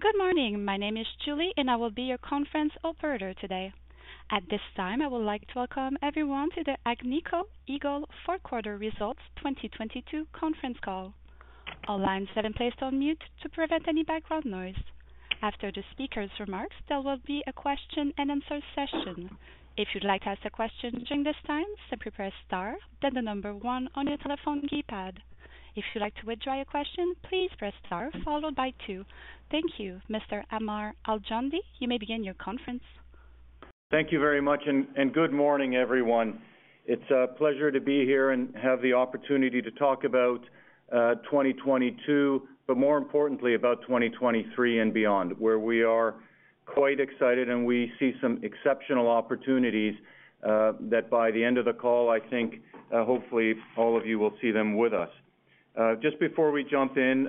Good morning. My name is Julie, I will be your conference operator today. At this time, I would like to Welcome Everyone to the Agnico Eagle Fourth Quarter Results 2022 Conference Call. All lines have been placed on mute to prevent any background noise. After the speaker's remarks, there will be a question-and-answer session. If you'd like to ask a question during this time, simply press star, then the number one on your telephone keypad. If you'd like to withdraw your question, please press star followed by two. Thank you. Mr. Ammar Al-Joundi, you may begin your conference. Thank you very much, and good morning, everyone. It's a pleasure to be here and have the opportunity to talk about 2022, but more importantly, about 2023 and beyond, where we are quite excited, and we see some exceptional opportunities that by the end of the call, I think hopefully all of you will see them with us. Just before we jump in,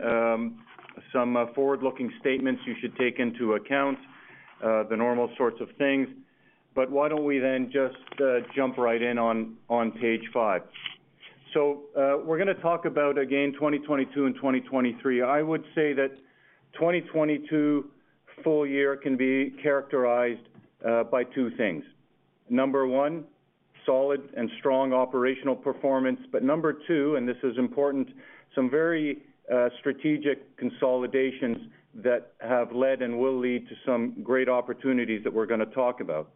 some forward-looking statements you should take into account, the normal sorts of things. Why don't we then just jump right in on page five. We're gonna talk about, again, 2022 and 2023. I would say that 2022 full year can be characterized by two things. Number one, solid and strong operational performance, but number two, and this is important, some very strategic consolidations that have led and will lead to some great opportunities that we're gonna talk about.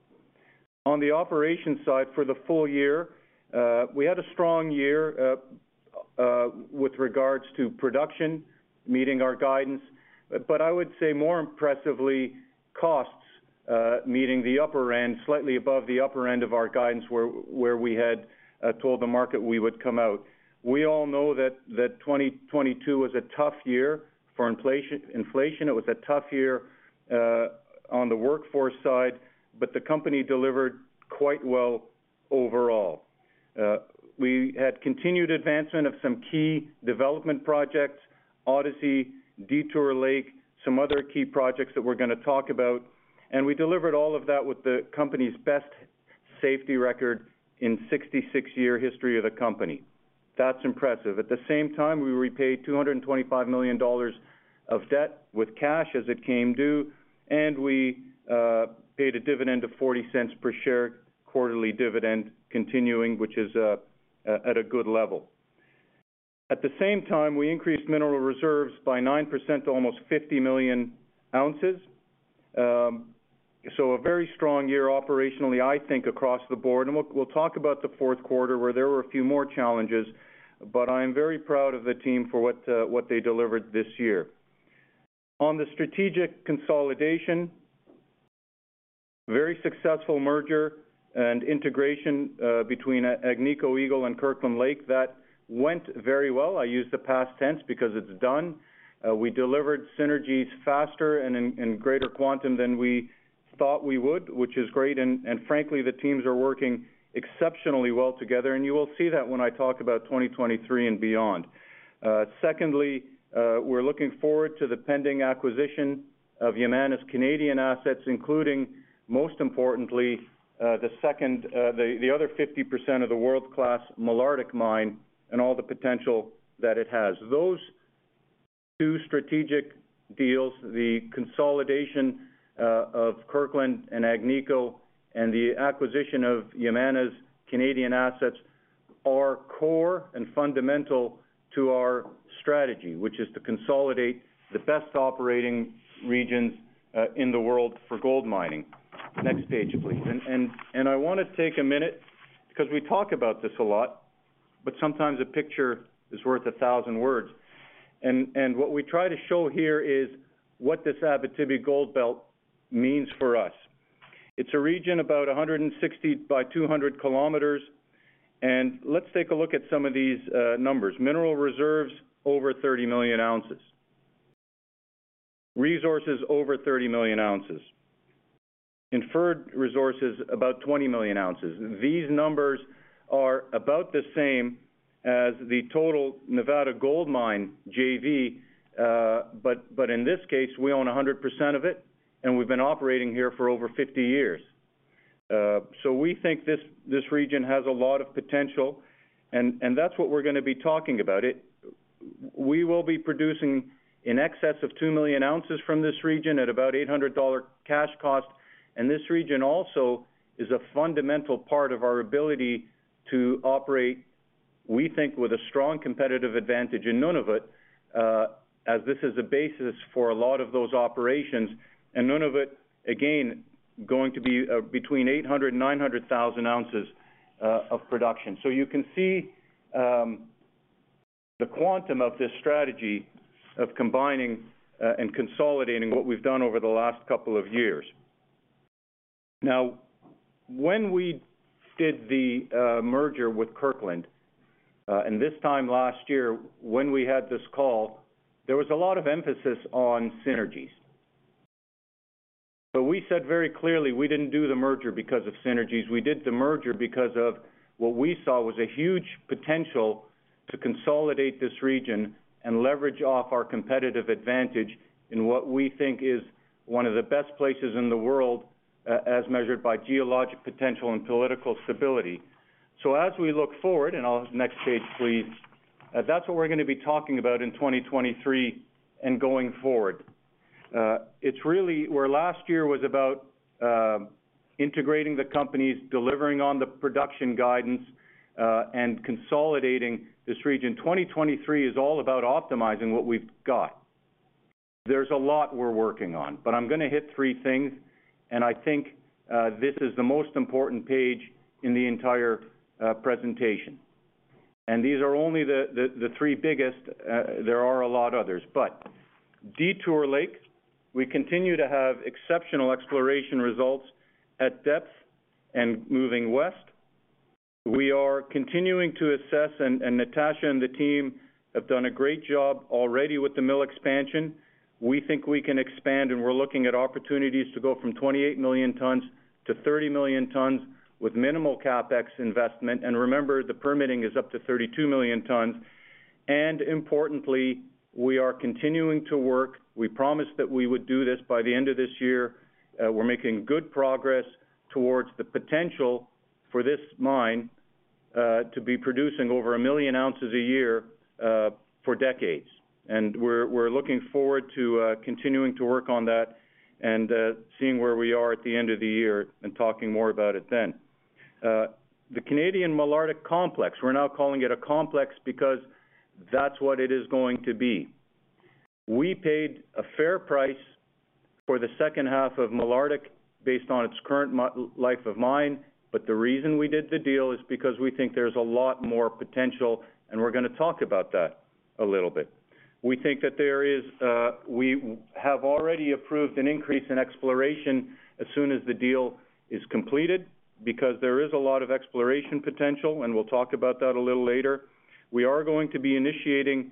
On the operations side for the full year, we had a strong year with regards to production, meeting our guidance. I would say more impressively, costs, meeting slightly above the upper end of our guidance, where we had told the market we would come out. We all know that 2022 was a tough year for inflation. It was a tough year on the workforce side, but the company delivered quite well overall. We had continued advancement of some key development projects, Odyssey, Detour Lake, some other key projects that we're gonna talk about. We delivered all of that with the company's best safety record in 66 year history of the company. That's impressive. At the same time, we repaid $225 million of debt with cash as it came due, and we paid a Dividend of $0.40 per share, quarterly Dividend continuing, which is at a good level. At the same time, we increased mineral reserves by 9% to almost 50 million oz. A very strong year operationally, I think, across the board. We'll talk about the fourth quarter, where there were a few more challenges, but I am very proud of the team for what they delivered this year. On the strategic consolidation, very successful merger and integration between Agnico Eagle and Kirkland Lake. That went very well. I use the past tense because it's done. We delivered synergies faster and in, and greater quantum than we thought we would, which is great. Frankly, the teams are working exceptionally well together, and you will see that when I talk about 2023 and beyond. Secondly, we're looking forward to the pending acquisition of Yamana's Canadian assets, including, most importantly, the second, the other 50% of the world-class Malartic mine and all the potential that it has. Those two strategic deals, the consolidation of Kirkland and Agnico and the acquisition of Yamana's Canadian assets, are core and fundamental to our strategy, which is to consolidate the best operating regions in the world for gold mining. Next page, please. I wanna take a minute because we talk about this a lot, but sometimes a picture is worth 1,000 words. What we try to show here is what this Abitibi Gold Belt means for us. It's a region about 160 by 200 km, and let's take a look at some of these numbers. Mineral reserves, over 30 million oz. Resources, over 30 million oz. Inferred resources, about 20 million oz. These numbers are about the same as the total Nevada Gold Mines JV, but in this case, we own a hundred percent of it, and we've been operating here for over 50 years. So we think this region has a lot of potential, and that's what we're gonna be talking about. We will be producing in excess of 2 million oz from this region at about $800 cash cost. This region also is a fundamental part of our ability to operate, we think, with a strong competitive advantage in Nunavut, as this is a basis for a lot of those operations. Nunavut, again, going to be between 800,000-900,000 oz of production. You can see the quantum of this strategy of combining and consolidating what we've done over the last couple of years. When we did the merger with Kirkland, and this time last year when we had this call, there was a lot of emphasis on synergies. We said very clearly we didn't do the merger because of synergies. We did the merger because of what we saw was a huge potential to consolidate this region and leverage off our competitive advantage in what we think is one of the best places in the world, as measured by geologic potential and political stability. As we look forward, and next page, please. That's what we're gonna be talking about in 2023 and going forward. Where last year was about integrating the companies, delivering on the production guidance, and consolidating this region, 2023 is all about optimizing what we've got. There's a lot we're working on, but I'm gonna hit three things, and I think this is the most important page in the entire presentation. These are only the three biggest, there are a lot others. Detour Lake, we continue to have exceptional exploration results at depth and moving west. We are continuing to assess, and Natasha and the team have done a great job already with the mill expansion. We think we can expand, and we're looking at opportunities to go from 28 million tons to 30 million tons with minimal CapEx investment. Remember, the permitting is up to 32 million tons. Importantly, we are continuing to work. We promised that we would do this by the end of this year. We're making good progress towards the potential for this mine to be producing over 1 million oz a year for decades. We're looking forward to continuing to work on that and seeing where we are at the end of the year and talking more about it then. The Canadian Malartic complex, we're now calling it a complex because that's what it is going to be. We paid a fair price for the second half of Malartic based on its current life of mine, the reason we did the deal is because we think there's a lot more potential, and we're going to talk about that a little bit. We think that there is. We have already approved an increase in exploration as soon as the deal is completed because there is a lot of exploration potential, we'll talk about that a little later. We are going to be initiating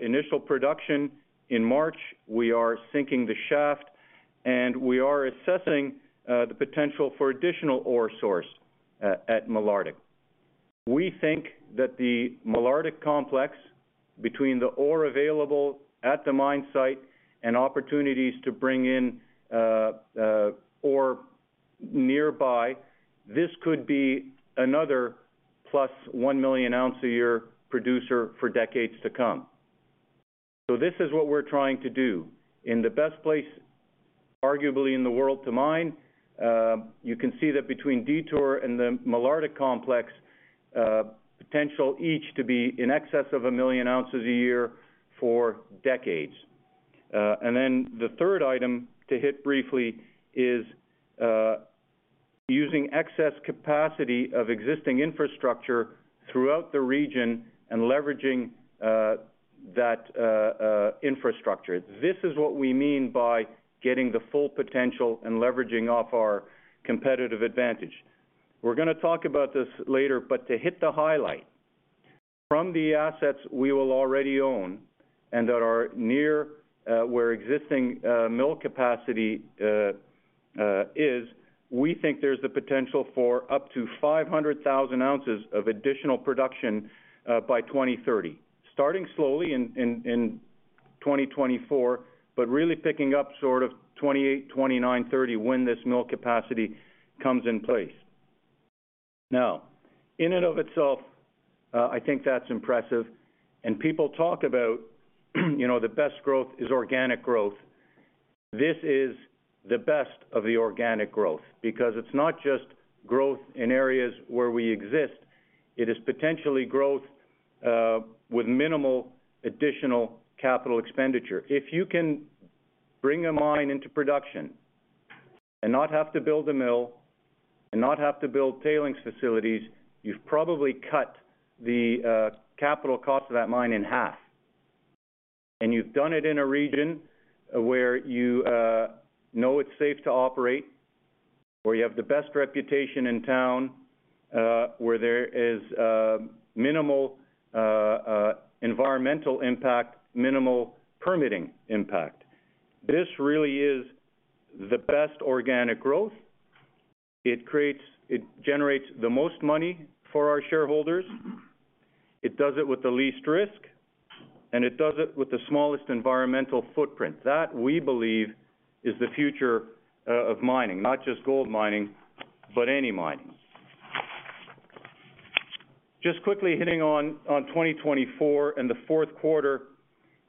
initial production in March. We are sinking the shaft, we are assessing the potential for additional ore source at Malartic. We think that the Malartic complex, between the ore available at the mine site and opportunities to bring in ore nearby, this could be another plus 1 million ounce a year producer for decades to come. This is what we're trying to do in the best place, arguably, in the world to mine. You can see that between Detour and the Malartic complex, potential each to be in excess of 1 million oz a year for decades. The third item to hit briefly is using excess capacity of existing infrastructure throughout the region and leveraging that infrastructure. This is what we mean by getting the full potential and leveraging off our competitive advantage. We're gonna talk about this later, but to hit the highlight, from the assets we will already own and that are near where existing mill capacity is, we think there's the potential for up to 500,000 oz of additional production by 2030. Starting slowly in 2024, but really picking up sort of 2028, 2029, 2030 when this mill capacity comes in place. In and of itself, I think that's impressive. People talk about, you know, the best growth is organic growth. This is the best of the organic growth because it's not just growth in areas where we exist. It is potentially growth with minimal additional Capital Expenditure. If you can bring a mine into production and not have to build a mill and not have to build tailings facilities, you've probably cut the capital cost of that mine in half. You've done it in a region where you know it's safe to operate, where you have the best reputation in town, where there is minimal environmental impact, minimal permitting impact. This really is the best organic growth. It generates the most money for our shareholders. It does it with the least risk, and it does it with the smallest environmental footprint. That, we believe, is the future of mining, not just gold mining, but any mining. Just quickly hitting on 2024 and the fourth quarter.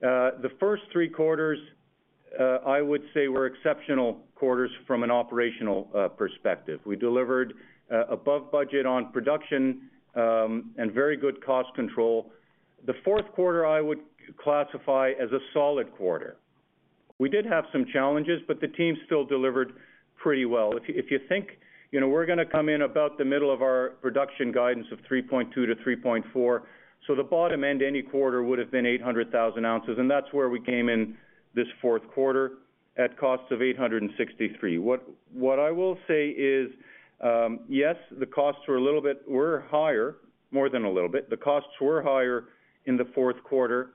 The first three quarters, I would say, were exceptional quarters from an operational perspective. We delivered above budget on production, and very good cost control. The fourth quarter I would classify as a solid quarter. We did have some challenges, but the team still delivered pretty well. If you think, you know, we're gonna come in about the middle of our production guidance of 3.2 million oz-3.4 million oz. The bottom end to any quarter would have been 800,000 oz, and that's where we came in this fourth quarter at cost of $863. What I will say is, yes, the costs were higher, more than a little bit. The costs were higher in the fourth quarter,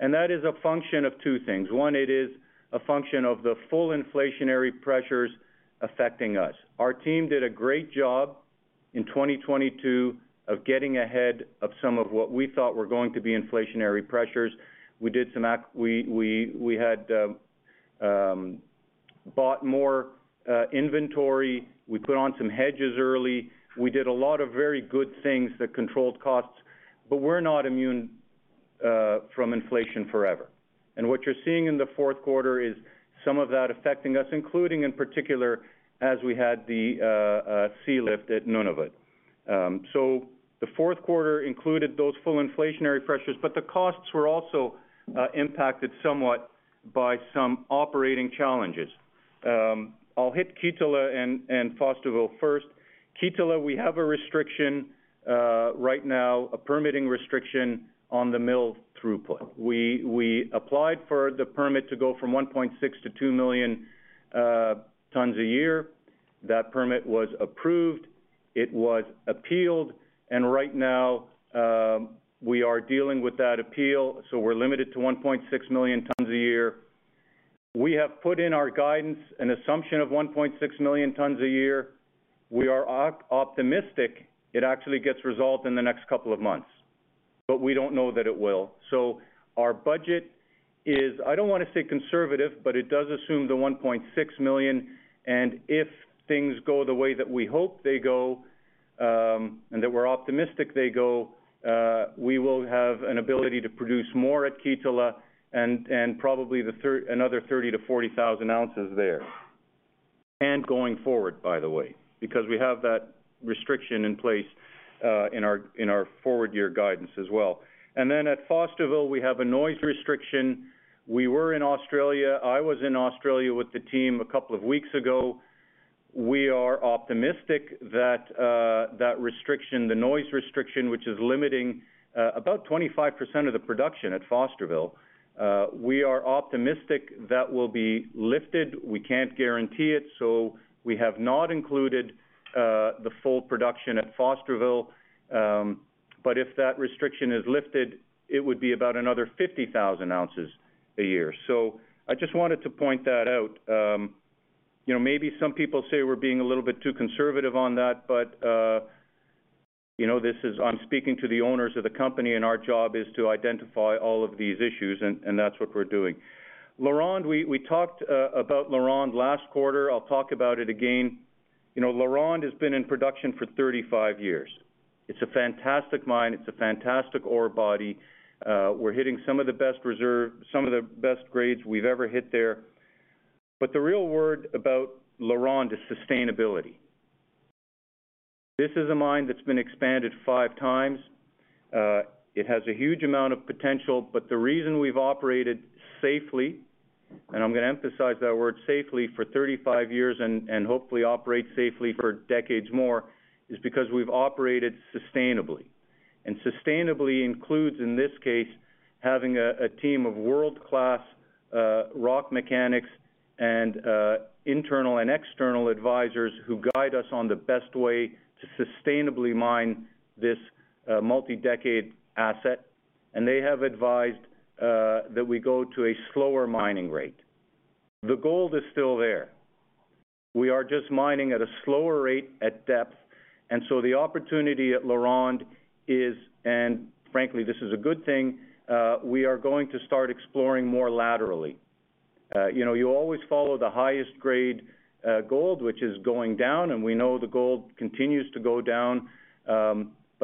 and that is a function of two things. One, it is a function of the full inflationary pressures affecting us. Our team did a great job in 2022 of getting ahead of some of what we thought were going to be inflationary pressures. We bought more inventory. We put on some hedges early. We did a lot of very good things that controlled costs, but we're not immune from inflation forever. What you're seeing in the fourth quarter is some of that affecting us, including, in particular, as we had the sealift at Nunavut. The fourth quarter included those full inflationary pressures, but the costs were also impacted somewhat by some operating challenges. I'll hit Kittilä and Fosterville first. Kittilä, we have a restriction right now, a permitting restriction on the mill throughput. We applied for the permit to go from 1.6 million to 2 million tons a year. That permit was approved, it was appealed, and right now, we are dealing with that appeal, so we're limited to 1.6 million tons a year. We have put in our guidance an assumption of 1.6 million tons a year. We are optimistic it actually gets resolved in the next couple of months, but we don't know that it will. Our budget is, I don't wanna say conservative, but it does assume the 1.6 million. If things go the way that we hope they go, and that we're optimistic they go, we will have an ability to produce more at Kittilä and probably another 30,000-40,000 oz there. Going forward, by the way, because we have that restriction in place, in our, in our forward-year guidance as well. At Fosterville, we have a noise restriction. We were in Australia, I was in Australia with the team a couple of weeks ago. We are optimistic that that restriction, the noise restriction, which is limiting about 25% of the production at Fosterville, we are optimistic that will be lifted. We can't guarantee it, so we have not included the full production at Fosterville. If that restriction is lifted, it would be about another 50,000 oz a year. I just wanted to point that out. You know, maybe some people say we're being a little bit too conservative on that, you know, this is... I'm speaking to the owners of the company, and our job is to identify all of these issues, and that's what we're doing. LaRonde, we talked about LaRonde last quarter. I'll talk about it again. You know, LaRonde has been in production for 35 years. It's a fantastic mine. It's a fantastic ore body. We're hitting some of the best reserve, some of the best grades we've ever hit there. The real word about LaRonde is sustainability. This is a mine that's been expanded five times. It has a huge amount of potential, but the reason we've operated safely, and I'm gonna emphasize that word safely, for 35 years and hopefully operate safely for decades more, is because we've operated sustainably. Sustainably includes, in this case, having a team of world-class rock mechanics and internal and external advisors who guide us on the best way to sustainably mine this multi-decade asset, and they have advised that we go to a slower mining rate. The gold is still there. We are just mining at a slower rate at depth, and so the opportunity at LaRonde is, and frankly, this is a good thing, we are going to start exploring more laterally. You know, you always follow the highest grade gold, which is going down, and we know the gold continues to go down.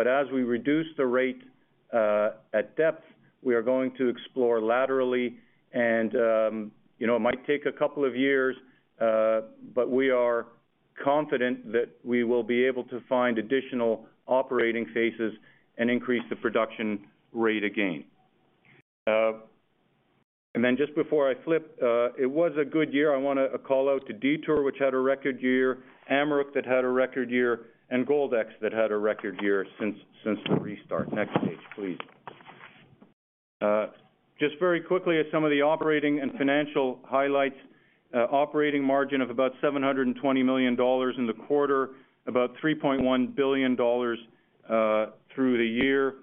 As we reduce the rate at depth, we are going to explore laterally and, you know, it might take a couple of years, but we are confident that we will be able to find additional operating phases and increase the production rate again. Just before I flip, it was a good year. I wanna call out to Detour, which had a record year, Amaruq that had a record year, and Goldex that had a record year since the restart. Next page, please. Just very quickly at some of the operating and financial highlights. Operating margin of about $720 million in the quarter, about $3.1 billion through the year.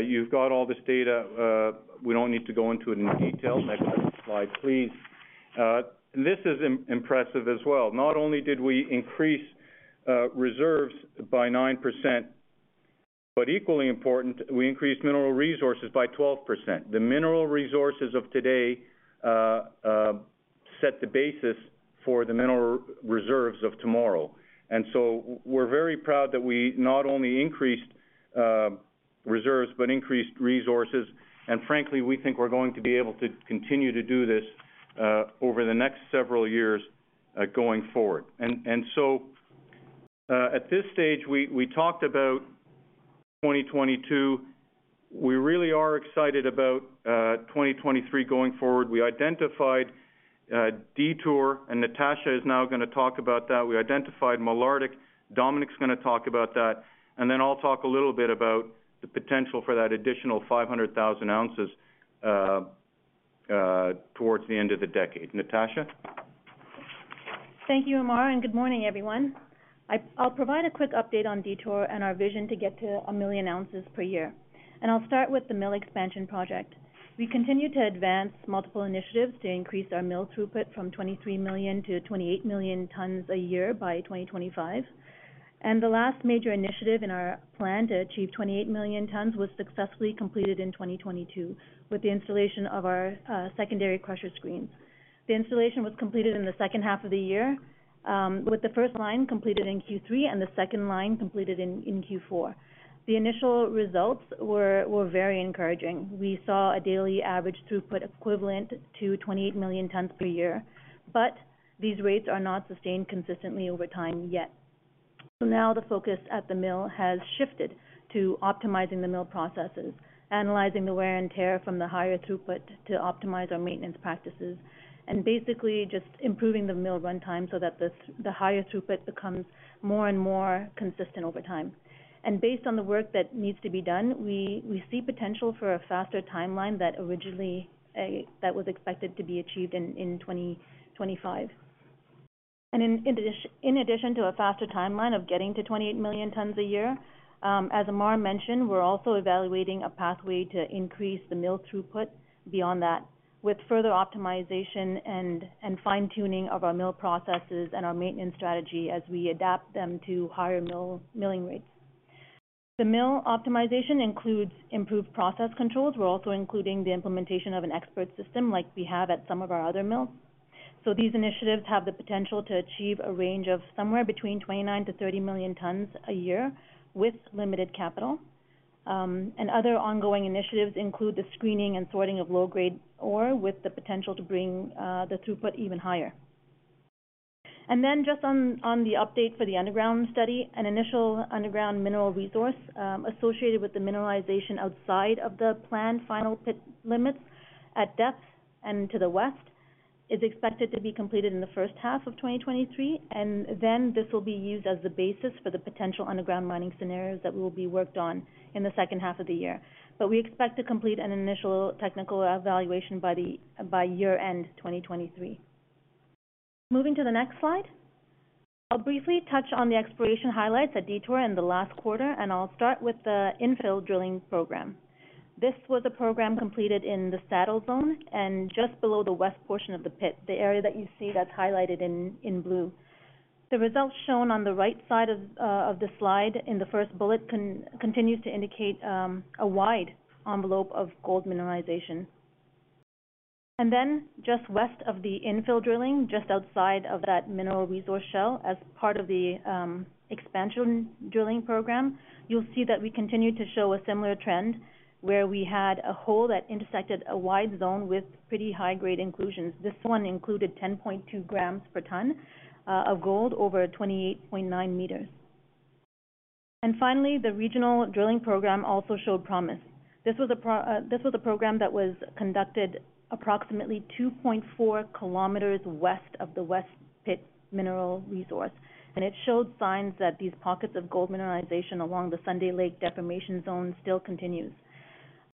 You've got all this data. We don't need to go into it in detail. Next slide, please. This is impressive as well. Not only did we increase reserves by 9%, but equally important, we increased mineral resources by 12%. The mineral resources of today set the basis for the mineral reserves of tomorrow. We're very proud that we not only increased reserves, but increased resources. Frankly, we think we're going to be able to continue to do this over the next several years going forward. At this stage, we talked about 2022. We really are excited about 2023 going forward. We identified Detour, and Natasha is now gonna talk about that. We identified Malartic. Dominique's gonna talk about that. I'll talk a little bit about the potential for that additional 500,000 oz towards the end of the decade. Natasha? Thank you, Ammar. Good morning, everyone. I'll provide a quick update on Detour and our vision to get to a million ounces per year. I'll start with the mill expansion project. We continue to advance multiple initiatives to increase our mill throughput from 23 million to 28 million tons a year by 2025. The last major initiative in our plan to achieve 28 million tons was successfully completed in 2022 with the installation of our secondary crusher screen. The installation was completed in the second half of the year, with the first line completed in Q3 and the second line completed in Q4. The initial results were very encouraging. We saw a daily average throughput equivalent to 28 million tons per year, but these rates are not sustained consistently over time yet. Now the focus at the mill has shifted to optimizing the mill processes, analyzing the wear and tear from the higher throughput to optimize our maintenance practices, and basically just improving the mill runtime so that the higher throughput becomes more and more consistent over time. Based on the work that needs to be done, we see potential for a faster timeline that originally that was expected to be achieved in 2025. In addition to a faster timeline of getting to 28 million tons a year, as Ammar mentioned, we're also evaluating a pathway to increase the mill throughput beyond that with further optimization and fine-tuning of our mill processes and our maintenance strategy as we adapt them to higher milling rates. The mill optimization includes improved process controls. We're also including the implementation of an expert system like we have at some of our other mills. These initiatives have the potential to achieve a range of somewhere between 29 million-30 million tons a year with limited capital. Other ongoing initiatives include the screening and sorting of low-grade ore with the potential to bring the throughput even higher. Just on the update for the underground study, an initial underground mineral resource associated with the mineralization outside of the planned final pit limits at depth and to the west is expected to be completed in the first half of 2023, this will be used as the basis for the potential underground mining scenarios that will be worked on in the second half of the year. We expect to complete an initial technical evaluation by year end 2023. Moving to the next slide. I'll briefly touch on the exploration highlights at Detour in the last quarter. I'll start with the infill drilling program. This was a program completed in the Saddle Zone and just below the west portion of the pit, the area that you see that's highlighted in blue. The results shown on the right side of the slide in the first bullet continues to indicate a wide envelope of gold mineralization. Then just west of the infill drilling, just outside of that mineral resource shell as part of the expansion drilling program, you'll see that we continue to show a similar trend where we had a hole that intersected a wide zone with pretty high-grade inclusions. This one included 10.2 g/t of gold over 28.9 meters. Finally, the regional drilling program also showed promise. This was a program that was conducted approximately 2.4 km west of the West Pit mineral resource, and it showed signs that these pockets of gold mineralization along the Sunday Lake deformation zone still continues.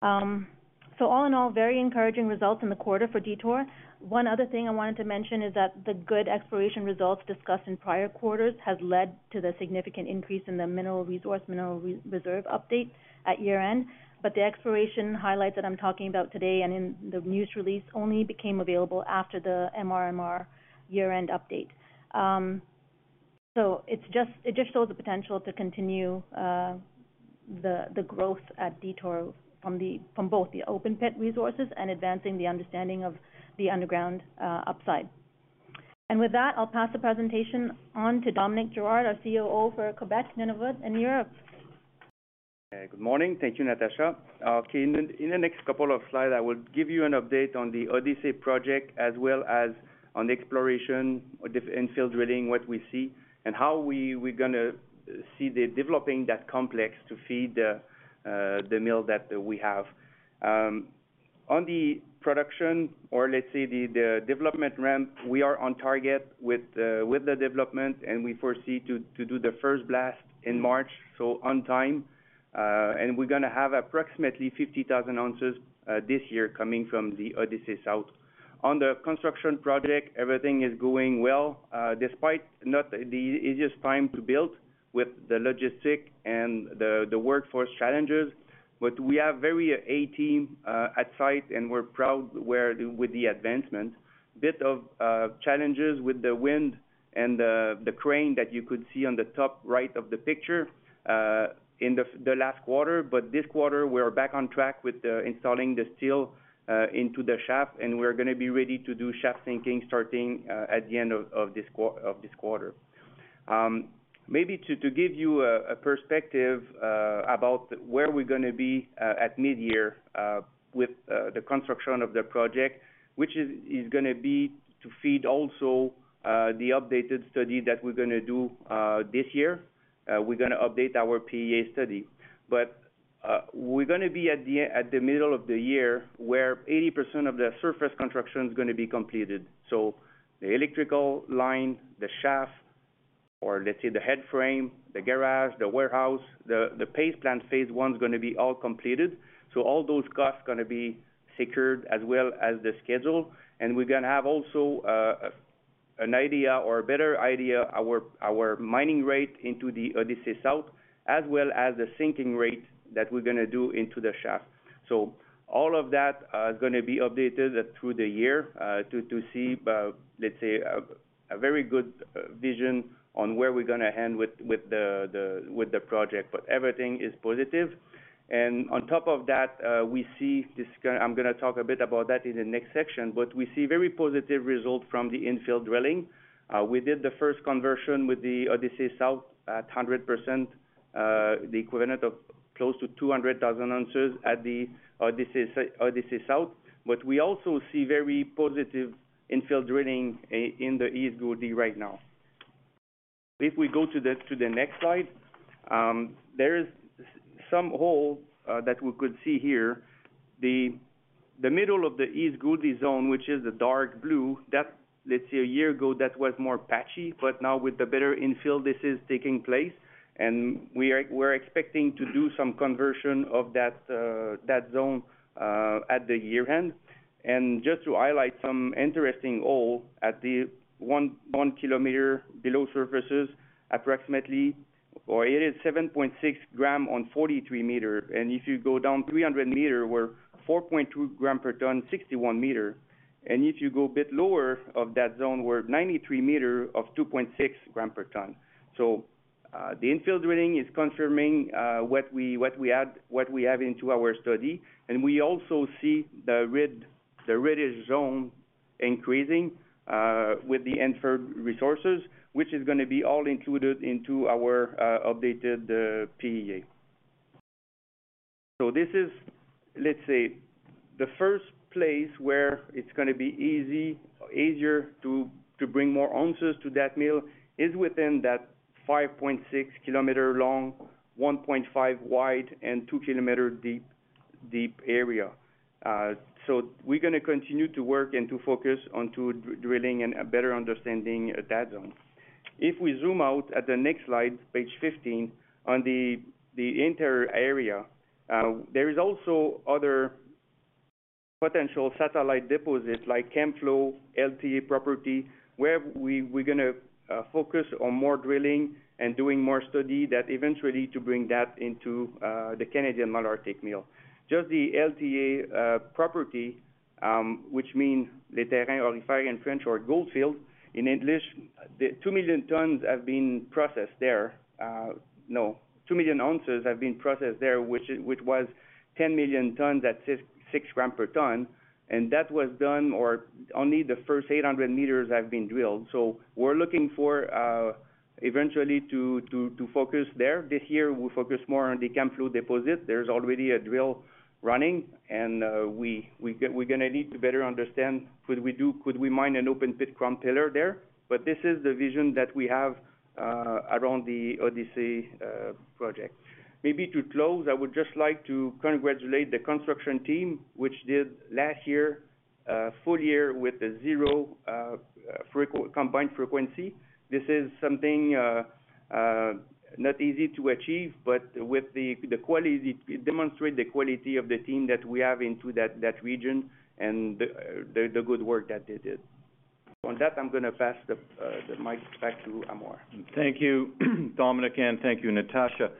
All in all, very encouraging results in the quarter for Detour. One other thing I wanted to mention is that the good exploration results discussed in prior quarters has led to the significant increase in the mineral resource, mineral reserve update at year-end. The exploration highlights that I'm talking about today and in the news release only became available after the MRMR year-end update. It just shows the potential to continue the growth at Detour from both the open pit resources and advancing the understanding of the underground upside. With that, I'll pass the presentation on to Dominique Girard, our COO for Quebec, Nunavut, and Europe. Good morning. Thank you, Natasha. Okay in the next couple of slides, I will give you an update on the Odyssey Project as well as on exploration, the infill drilling, what we see, and how we're gonna see the developing that complex to feed the mill that we have. On the production or let's say the development ramp, we are on target with the development and we foresee to do the first blast in March, so on time. We're gonna have approximately 50,000 oz this year coming from the Odyssey South. On the construction project, everything is going well, despite not the easiest time to build with the logistic and the workforce challenges. We have very A team at site, and we're proud with the advancement. Bit of challenges with the wind and the crane that you could see on the top right of the picture in the last quarter. This quarter we are back on track with installing the steel into the shaft and we're gonna be ready to do shaft sinking starting at the end of this quarter. Maybe to give you a perspective about where we're gonna be at mid-year with the construction of the project, which is gonna be to feed also the updated study that we're gonna do this year. We're gonna update our PEA study. We're gonna be at the middle of the year where 80% of the surface construction is gonna be completed. The electrical line, the shaft or let's say the headframe, the garage, the warehouse, the paste plant Phase 1's gonna be all completed. All those costs gonna be secured as well as the schedule. We're gonna have also an idea or a better idea our mining rate into the Odyssey South as well as the sinking rate that we're gonna do into the shaft. All of that is gonna be updated through the year to see about let's say, a very good vision on where we're gonna end with the project, but everything is positive. On top of that, we see this I'm gonna talk a bit about that in the next section, but we see very positive result from the infill drilling. We did the first conversion with the Odyssey South at 100%, the equivalent of close to 200,000 oz at the Odyssey South. We also see very positive infill drilling, in the East Gouldie right now. If we go to the next slide, there is some hole that we could see here. The middle of the East Gouldie zone, which is a dark blue, that, let's say a year ago, that was more patchy. Now with the better infill, this is taking place, and we're expecting to do some conversion of that zone at the year end. Just to highlight some interesting hole at the 1.1 km below surfaces, approximately, or it is 7.6 gram on 43 meter. If you go down 300 meters, we're 4.2 g/t, 61 meters. If you go a bit lower of that zone, we're 93 meters of 2.6 g/t. The infill drilling is confirming what we have into our study. We also see the red, the reddish zone increasing with the inferred resources, which is gonna be all included into our updated PEA. This is, let's say, the first place where it's gonna be easier to bring more ounces to that mill, is within that 5.6 s long, 1.5 wide, and 2 km deep area. We're gonna continue to work and to focus onto drilling and better understanding that zone. If we zoom out at the next slide, page 15, on the entire area, there is also other potential satellite deposits like Camflo, LTA property, where we're gonna focus on more drilling and doing more study that eventually to bring that into the Canadian Malartic mill. Just the LTA property, which mean Les Terrains Aurifères in French or goldfield in English, the 2 million tons have been processed there. No. 2 million oz have been processed there, which was 10 million tons at 6.6 g/t. That was done or only the first 800 meters have been drilled. We're looking for eventually to focus there. This year, we'll focus more on the Camflo deposit. There's already a drill running and we're gonna need to better understand could we mine an open pit crown pillar there. This is the vision that we have around the Odyssey Project. Maybe to close, I would just like to congratulate the construction team, which did last year, full year with a zero combined frequency. This is something not easy to achieve, but with the quality, it demonstrate the quality of the team that we have into that region and the good work that they did. On that, I'm gonna pass the mic back to Ammar. Thank you, Dominique, and thank you, Natasha.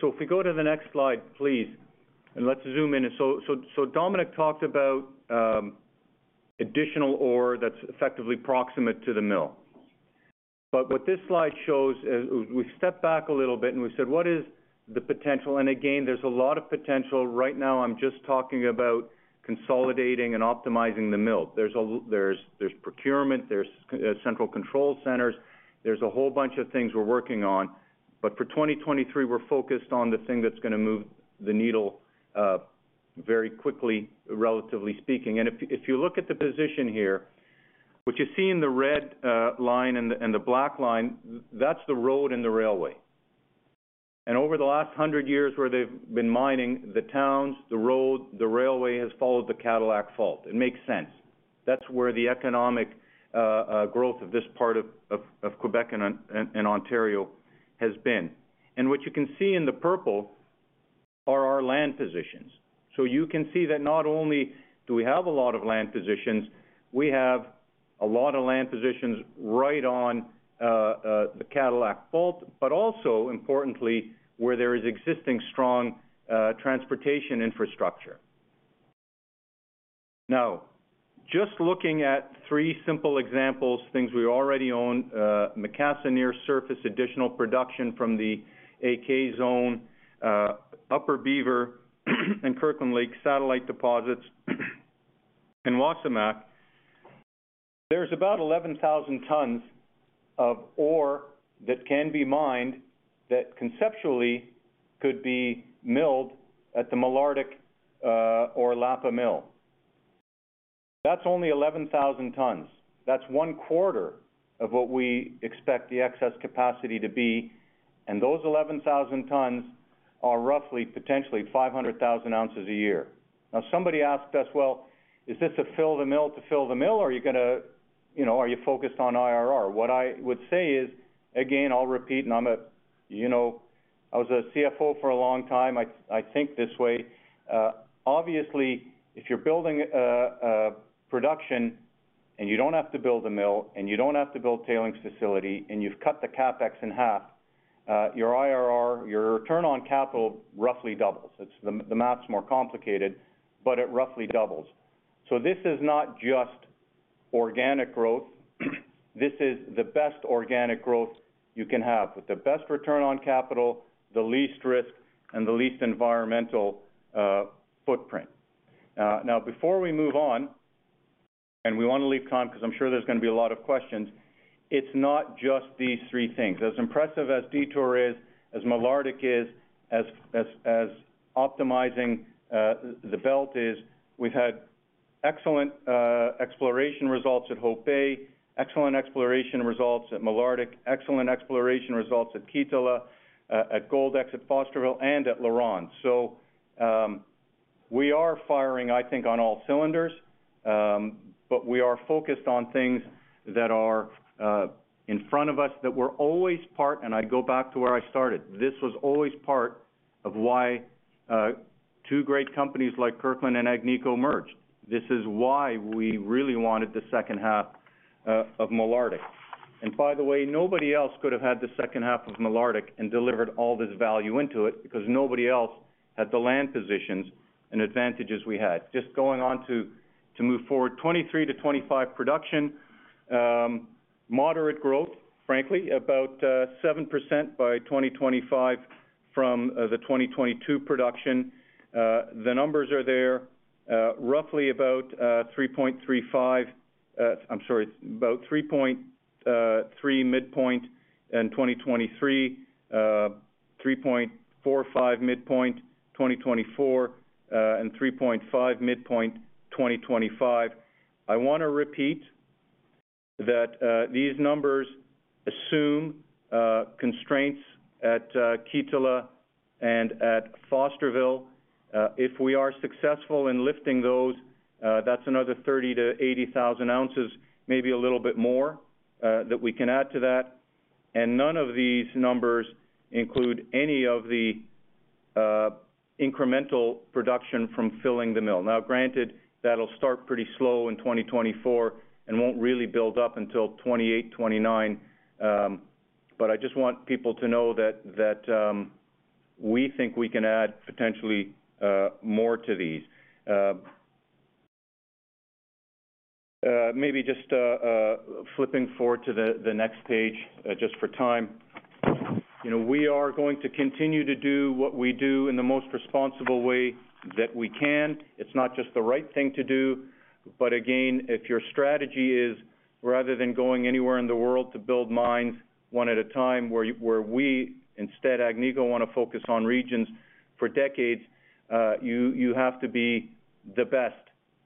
If we go to the next slide, please, and let's zoom in. Dominique talked about additional ore that's effectively proximate to the mill. What this slide shows is we've stepped back a little bit and we said, "What is the potential?" Again, there's a lot of potential. Right now I'm just talking about consolidating and optimizing the mill. There's procurement, there's central control centers, there's a whole bunch of things we're working on. For 2023, we're focused on the thing that's gonna move the needle very quickly, relatively speaking. If you look at the position here, what you see in the red line and the black line, that's the road and the railway. Over the last 100 years where they've been mining the towns, the road, the railway has followed the Cadillac Fault. It makes sense. That's where the economic growth of this part of Quebec and Ontario has been. What you can see in the purple are our land positions. You can see that not only do we have a lot of land positions, we have a lot of land positions right on the Cadillac Fault, but also importantly, where there is existing strong transportation infrastructure. Just looking at 3 simple examples, things we already own, Macassa near surface, additional production from the AK Zone, Upper Beaver, and Kirkland Lake satellite deposits, and Wasamac. There's about 11,000 tons of ore that can be mined that conceptually could be milled at the Malartic or Lapa mill. That's only 11,000 tons. That's one quarter of what we expect the excess capacity to be, and those 11,000 tons are roughly, potentially 500,000 oz a year. Somebody asked us, "Well, is this to fill the mill, or are you gonna, you know, are you focused on IRR?" What I would say is, again, I'll repeat, and I'm a, you know, I was a CFO for a long time, I think this way. Obviously, if you're building production and you don't have to build a mill and you don't have to build tailings facility and you've cut the CapEx in half. Your IRR, your return on capital roughly doubles. The math's more complicated, but it roughly doubles. This is not just organic growth. This is the best organic growth you can have with the best return on capital, the least risk, and the least environmental footprint. Now, before we move on, we wanna leave time because I'm sure there's gonna be a lot of questions, it's not just these three things. As impressive as Detour is, as Malartic is, as optimizing the belt is, we've had excellent exploration results at Hope Bay, excellent exploration results at Malartic, excellent exploration results at Kittilä, at Goldex, at Fosterville, and at LaRonde. We are firing, I think, on all cylinders, but we are focused on things that are in front of us that were always part. I go back to where I started. This was always part of why two great companies like Kirkland and Agnico merged. This is why we really wanted the second half of Malartic. By the way, nobody else could have had the second half of Malartic and delivered all this value into it because nobody else had the land positions and advantages we had. Just going on to move forward, 2023-2025 production, moderate growth, frankly, about 7% by 2025 from the 2022 production. The numbers are there, roughly about 3.3 midpoint in 2023, 3.45 midpoint 2024, and 3.5 midpoint 2025. I wanna repeat that, these numbers assume constraints at Kittilä and at Fosterville. If we are successful in lifting those, that's another 30,000-80,000 oz, maybe a little bit more, that we can add to that. None of these numbers include any of the incremental production from filling the mill. Now granted, that'll start pretty slow in 2024 and won't really build up until 2028, 2029, but I just want people to know that, we think we can add potentially more to these. Maybe just flipping forward to the next page, just for time. You know, we are going to continue to do what we do in the most responsible way that we can. It's not just the right thing to do, again, if your strategy is rather than going anywhere in the world to build mines one at a time where we, instead Agnico, wanna focus on regions for decades, you have to be the best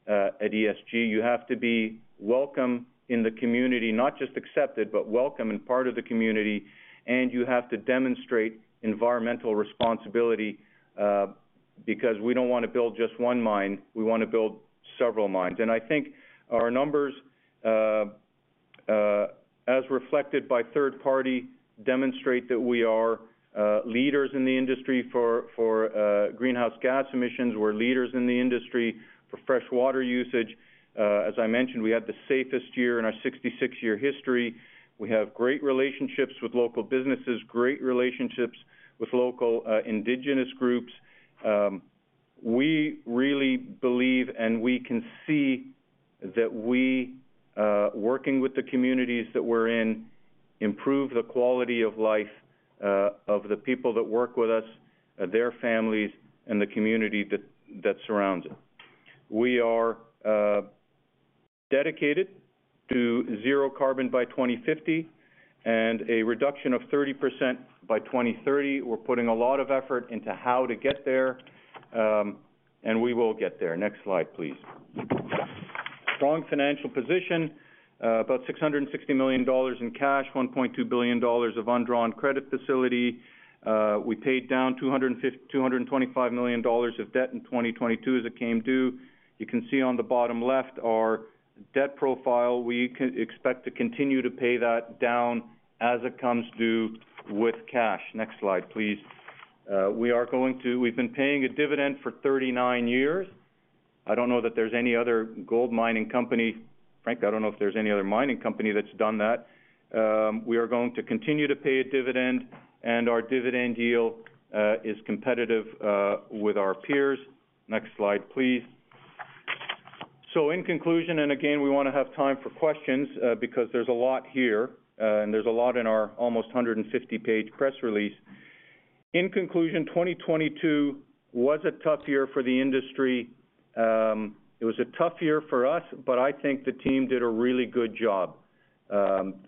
at ESG. You have to be welcome in the community, not just accepted, but welcome and part of the community, you have to demonstrate environmental responsibility, because we don't wanna build just one mine, we wanna build several mines. I think our numbers, as reflected by third party, demonstrate that we are leaders in the industry for greenhouse gas emissions. We're leaders in the industry for fresh water usage. As I mentioned, we had the safest year in our 66-year history. We have great relationships with local businesses, great relationships with local indigenous groups. We really believe we can see that we, working with the communities that we're in, improve the quality of life of the people that work with us, their families and the community that surrounds it. We are dedicated to zero carbon by 2050 and a reduction of 30% by 2030. We're putting a lot of effort into how to get there, we will get there. Next slide, please. Strong financial position, about $660 million in cash, $1.2 billion of undrawn credit facility. We paid down $225 million of debt in 2022 as it came due. You can see on the bottom left our debt profile. We expect to continue to pay that down as it comes due with cash. Next slide, please. We've been paying a Dividend for 39 years. I don't know that there's any other gold mining company. Frank, I don't know if there's any other mining company that's done that. We are going to continue to pay a Dividend, and our Dividend yield is competitive with our peers. Next slide, please. In conclusion, and again, we wanna have time for questions, because there's a lot here, and there's a lot in our almost 150 page press release. In conclusion, 2022 was a tough year for the industry. It was a tough year for us, but I think the team did a really good job.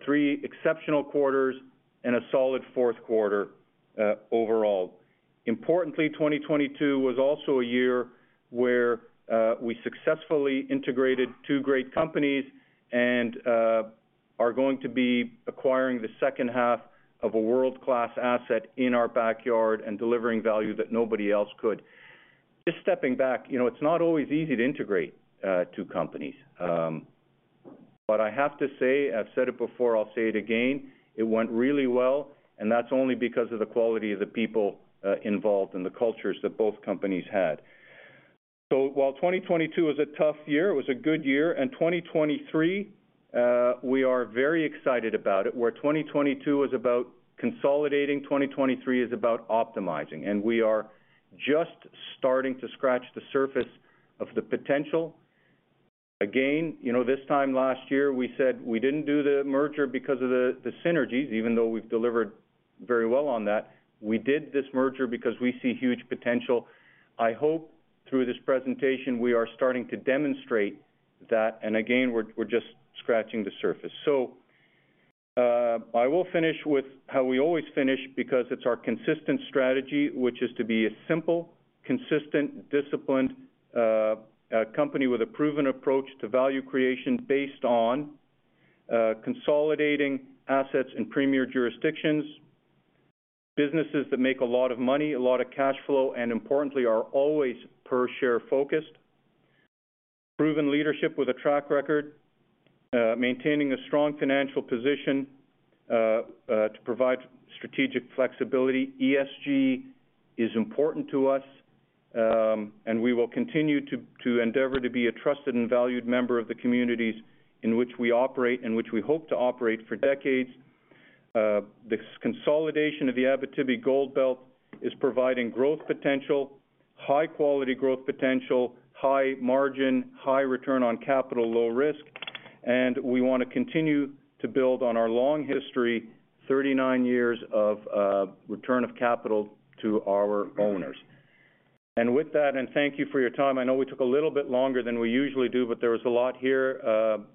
Three exceptional quarters and a solid fourth quarter overall. Importantly, 2022 was also a year where we successfully integrated two great companies and are going to be acquiring the second half of a world-class asset in our backyard and delivering value that nobody else could. Just stepping back, you know, it's not always easy to integrate two companies. I have to say, I've said it before, I'll say it again, it went really well, and that's only because of the quality of the people involved and the cultures that both companies had. While 2022 was a tough year, it was a good year. 2023, we are very excited about it. Where 2022 was about consolidating, 2023 is about optimizing. We are just starting to scratch the surface of the potential. Again, you know, this time last year, we said we didn't do the merger because of the synergies, even though we've delivered very well on that. We did this merger because we see huge potential. I hope through this presentation we are starting to demonstrate that, and again, we're just scratching the surface. I will finish with how we always finish because it's our consistent strategy, which is to be a simple, consistent, disciplined company with a proven approach to value creation based on consolidating assets in premier jurisdictions, businesses that make a lot of money, a lot of cash flow, and importantly are always per share focused, proven leadership with a track record, maintaining a strong financial position to provide strategic flexibility. ESG is important to us. We will continue to endeavor to be a trusted and valued member of the communities in which we operate and which we hope to operate for decades. The consolidation of the Abitibi Gold Belt is providing growth potential, high quality growth potential, high margin, high return on capital, low risk, and we wanna continue to build on our long history, 39 years of return of capital to our owners. With that, and thank you for your time. I know we took a little bit longer than we usually do, but there was a lot here.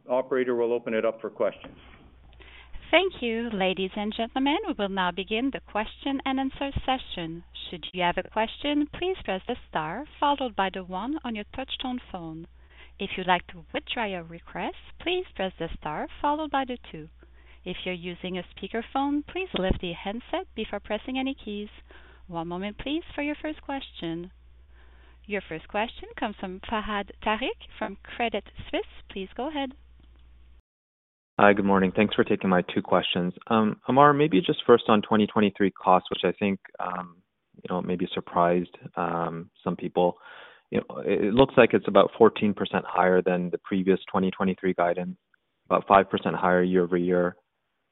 Operator, we'll open it up for questions. Thank you. Ladies and gentlemen, we will now begin the question-and-answer session. Should you have a question, please press the star followed by the one on your touchtone phone. If you'd like to withdraw your request, please press the star followed by the two. If you're using a speakerphone, please lift the handset before pressing any keys. One moment please for your first question. Your first question comes from Fahad Tariq from Credit Suisse. Please go ahead. Hi. Good morning. Thanks for taking my two questions. Ammar, maybe just first on 2023 costs, which I think, you know, maybe surprised some people. You know, it looks like it's about 14% higher than the previous 2023 guidance, about 5% higher year-over-year,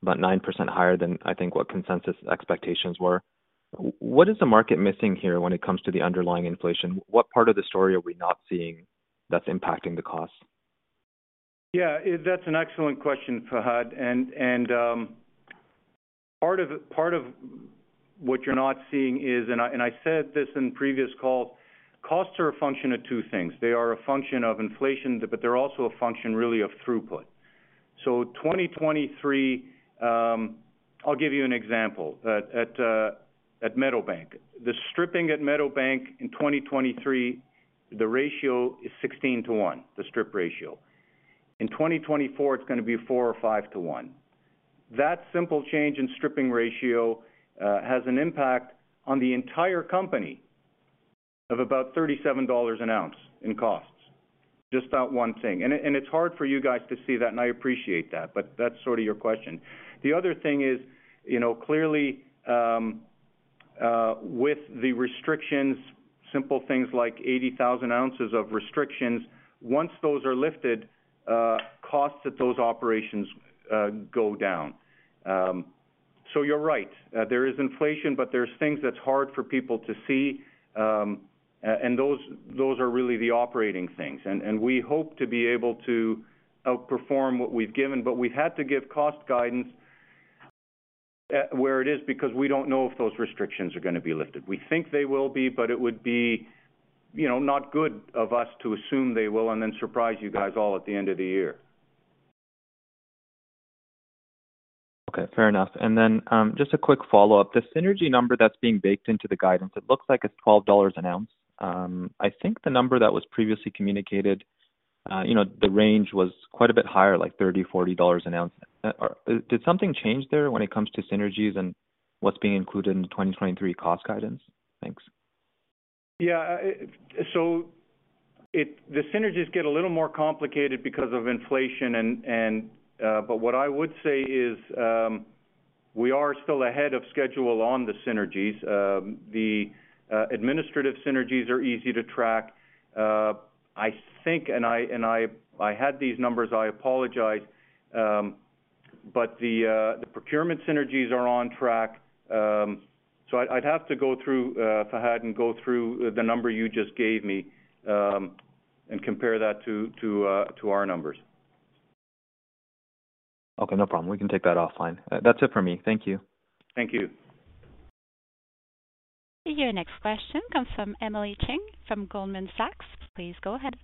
about 9% higher than I think what consensus expectations were. What is the market missing here when it comes to the underlying inflation? What part of the story are we not seeing that's impacting the costs? Yeah, that's an excellent question, Fahad. Part of what you're not seeing is, and I said this in previous calls, costs are a function of two things. They are a function of inflation, but they're also a function really of throughput. 2023, I'll give you an example. At Meadowbank. The stripping at Meadowbank in 2023, the ratio is 16 to 1, the strip ratio. In 2024, it's gonna be four or five to one. That simple change in stripping ratio has an impact on the entire company of about $37 an ounce in costs. Just that one thing. And it's hard for you guys to see that, and I appreciate that, but that's sort of your question. The other thing is, you know, clearly, with the restrictions, simple things like 80,000 oz of restrictions, once those are lifted, costs at those operations go down. You're right, there is inflation, but there's things that's hard for people to see, and those are really the operating things. We hope to be able to outperform what we've given, but we had to give cost guidance at where it is because we don't know if those restrictions are gonna be lifted. We think they will be, but it would be, you know, not good of us to assume they will and then surprise you guys all at the end of the year. Okay. Fair enough. Just a quick follow-up. The synergy number that's being baked into the guidance, it looks like it's $12 an ounce. I think the number that was previously communicated, you know, the range was quite a bit higher, like $30, $40 an ounce. Did something change there when it comes to synergies and what's being included in the 2023 cost guidance? Thanks. Yeah. The synergies get a little more complicated because of inflation and, what I would say is, we are still ahead of schedule on the synergies. The administrative synergies are easy to track. I think, and I had these numbers, I apologize, but the procurement synergies are on track. I'd have to go through, Fahad, and go through the number you just gave me, and compare that to our numbers. Okay. No problem. We can take that offline. That's it for me. Thank you. Thank you. Your next question comes from Emily Chieng from Goldman Sachs. Please go ahead.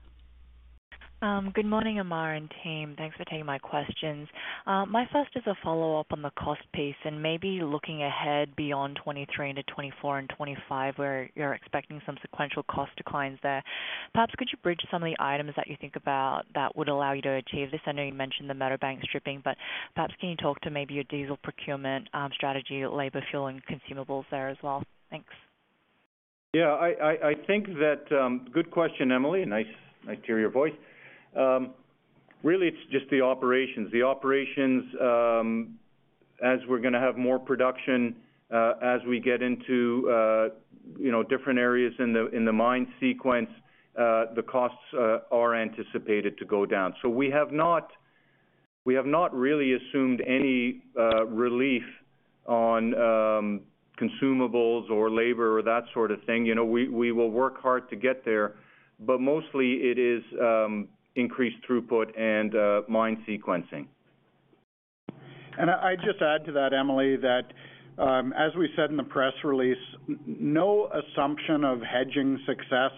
Good morning, Ammar and team. Thanks for taking my questions. My first is a follow-up on the cost piece and maybe looking ahead beyond 2023 into 2024 and 2025, where you're expecting some sequential cost declines there. Perhaps could you bridge some of the items that you think about that would allow you to achieve this? I know you mentioned the Meadowbank stripping, but perhaps can you talk to maybe your diesel procurement strategy, labor, fuel, and consumables there as well? Thanks. Yeah. I think that, good question, Emily. Nice to hear your voice. Really, it's just the operations. The operations. As we're gonna have more production, as we get into, you know, different areas in the mine sequence, the costs are anticipated to go down. We have not really assumed any relief on consumables or labor or that sort of thing. You know, we will work hard to get there, but mostly it is increased throughput and mine sequencing. I'd just add to that, Emily, that, as we said in the press release, no assumption of hedging success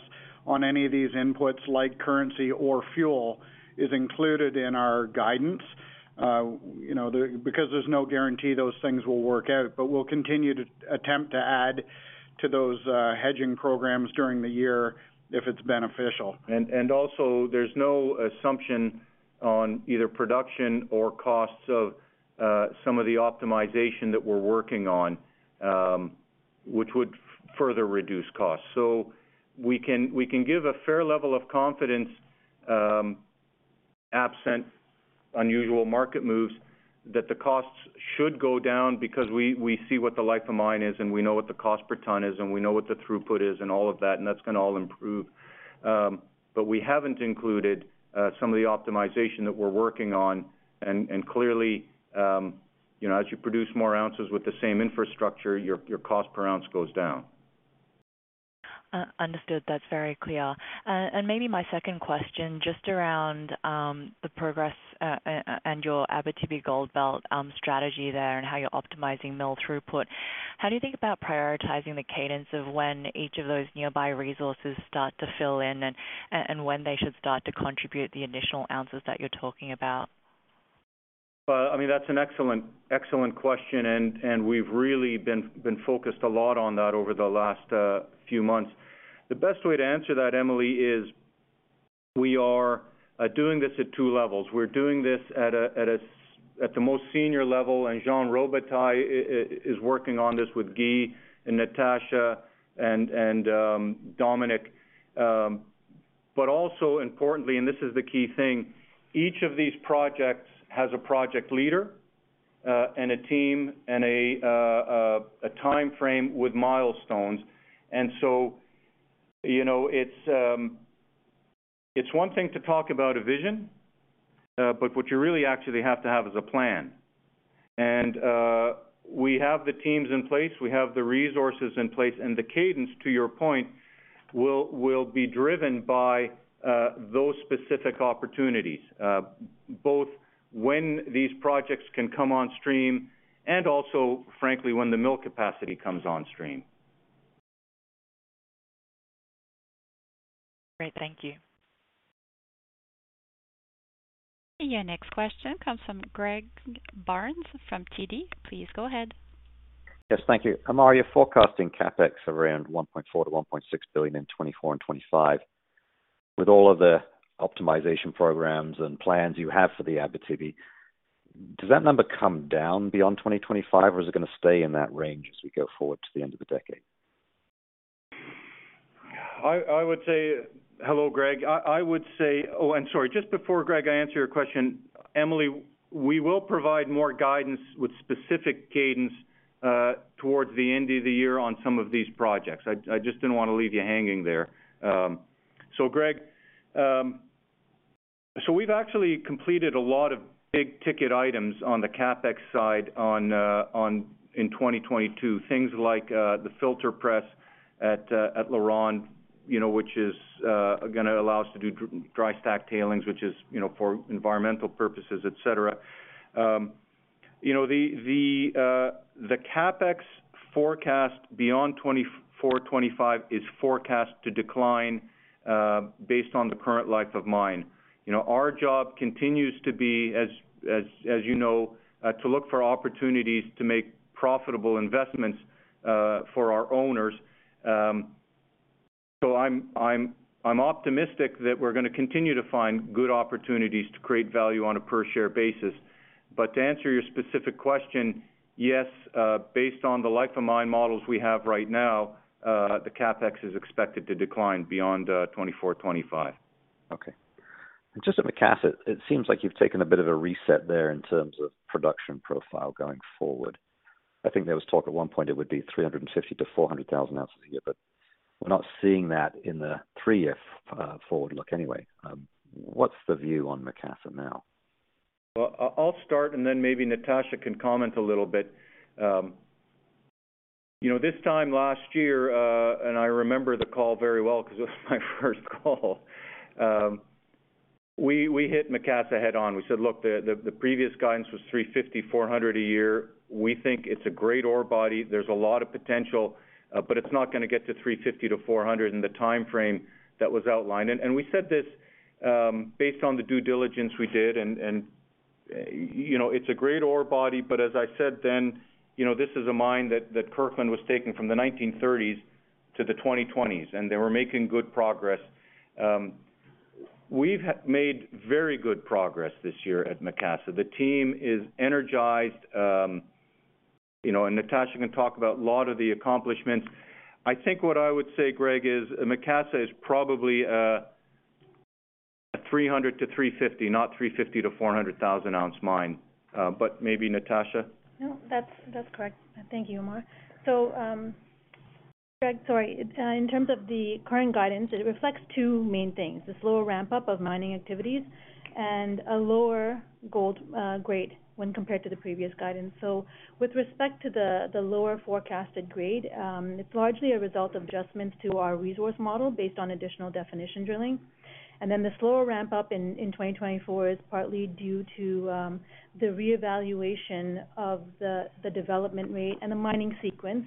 on any of these inputs like currency or fuel is included in our guidance, you know, because there's no guarantee those things will work out. We'll continue to attempt to add to those, hedging programs during the year if it's beneficial. Also there's no assumption on either production or costs of some of the optimization that we're working on, which would further reduce costs. We can give a fair level of confidence, absent unusual market moves that the costs should go down because we see what the life of mine is, and we know what the cost per ton is, and we know what the throughput is and all of that, and that's gonna all improve. We haven't included some of the optimization that we're working on. Clearly, you know, as you produce more ounces with the same infrastructure, your cost per ounce goes down. Understood. That's very clear. Maybe my second question, just around the progress and your Abitibi Gold Belt strategy there and how you're optimizing mill throughput. How do you think about prioritizing the cadence of when each of those nearby resources start to fill in and when they should start to contribute the additional ounces that you're talking about? Well, I mean, that's an excellent question, and we've really been focused a lot on that over the last few months. The best way to answer that, Emily, is we are doing this at two levels. We're doing this at the most senior level, and Jean Robitaille is working on this with Guy and Natasha and Dominique. Also importantly, this is the key thing, each of these projects has a project leader, and a team and a timeframe with milestones. You know, it's one thing to talk about a vision, but what you really actually have to have is a plan. We have the teams in place. We have the resources in place, and the cadence, to your point, will be driven by, those specific opportunities, both when these projects can come on stream and also frankly when the mill capacity comes on stream. Great. Thank you. Your next question comes from Greg Barnes from TD. Please go ahead. Yes, thank you. Ammar, you're forecasting CapEx around $1.4 billion-$1.6 billion in 2024 and 2025. With all of the optimization programs and plans you have for the Abitibi, does that number come down beyond 2025, or is it gonna stay in that range as we go forward to the end of the decade? I would say. Hello, Greg. I would say. Sorry, just before, Greg, I answer your question. Emily, we will provide more guidance with specific cadence towards the end of the year on some of these projects. I just didn't wanna leave you hanging there. Greg, we've actually completed a lot of big ticket items on the CapEx side in 2022. Things like the filter press at LaRonde, you know, which is gonna allow us to do dry stack tailings, which is, you know, for environmental purposes, et cetera. You know, the CapEx forecast beyond 2024, 2025 is forecast to decline based on the current life of mine. You know, our job continues to be as you know, to look for opportunities to make profitable investments for our owners. I'm optimistic that we're gonna continue to find good opportunities to create value on a per share basis. To answer your specific question, yes, based on the life of mine models we have right now, the CapEx is expected to decline beyond 2024, 2025. Okay. Just at Macassa, it seems like you've taken a bit of a reset there in terms of production profile going forward. I think there was talk at one point it would be 350,000-400,000 oz a year, but we're not seeing that in the three-year forward look anyway. What's the view on Macassa now? Well, I'll start. Then maybe Natasha can comment a little bit. You know, this time last year, I remember the call very well 'cause it was my first call. We hit Macassa head on. We said, "Look, the previous guidance was 350, 400 a year. We think it's a great ore body. There's a lot of potential, but it's not gonna get to 350 to 400 in the timeframe that was outlined." We said this, based on the due diligence we did, and, you know, it's a great ore body, but as I said then, you know, this is a mine that Kirkland was taking from the 1930s to the 2020s, and they were making good progress. We've made very good progress this year at Macassa. The team is energized, you know, Natasha can talk about a lot of the accomplishments. I think what I would say, Greg, is Macassa is probably 300-350, not 350-400,000 oz mine. But maybe Natasha? No, that's correct. Thank you, Ammar. Greg, sorry. In terms of the current guidance, it reflects two main things, this lower ramp-up of mining activities and a lower gold grade when compared to the previous guidance. With respect to the lower forecasted grade, it's largely a result of adjustments to our resource model based on additional definition drilling. The slower ramp-up in 2024 is partly due to the reevaluation of the development rate and the mining sequence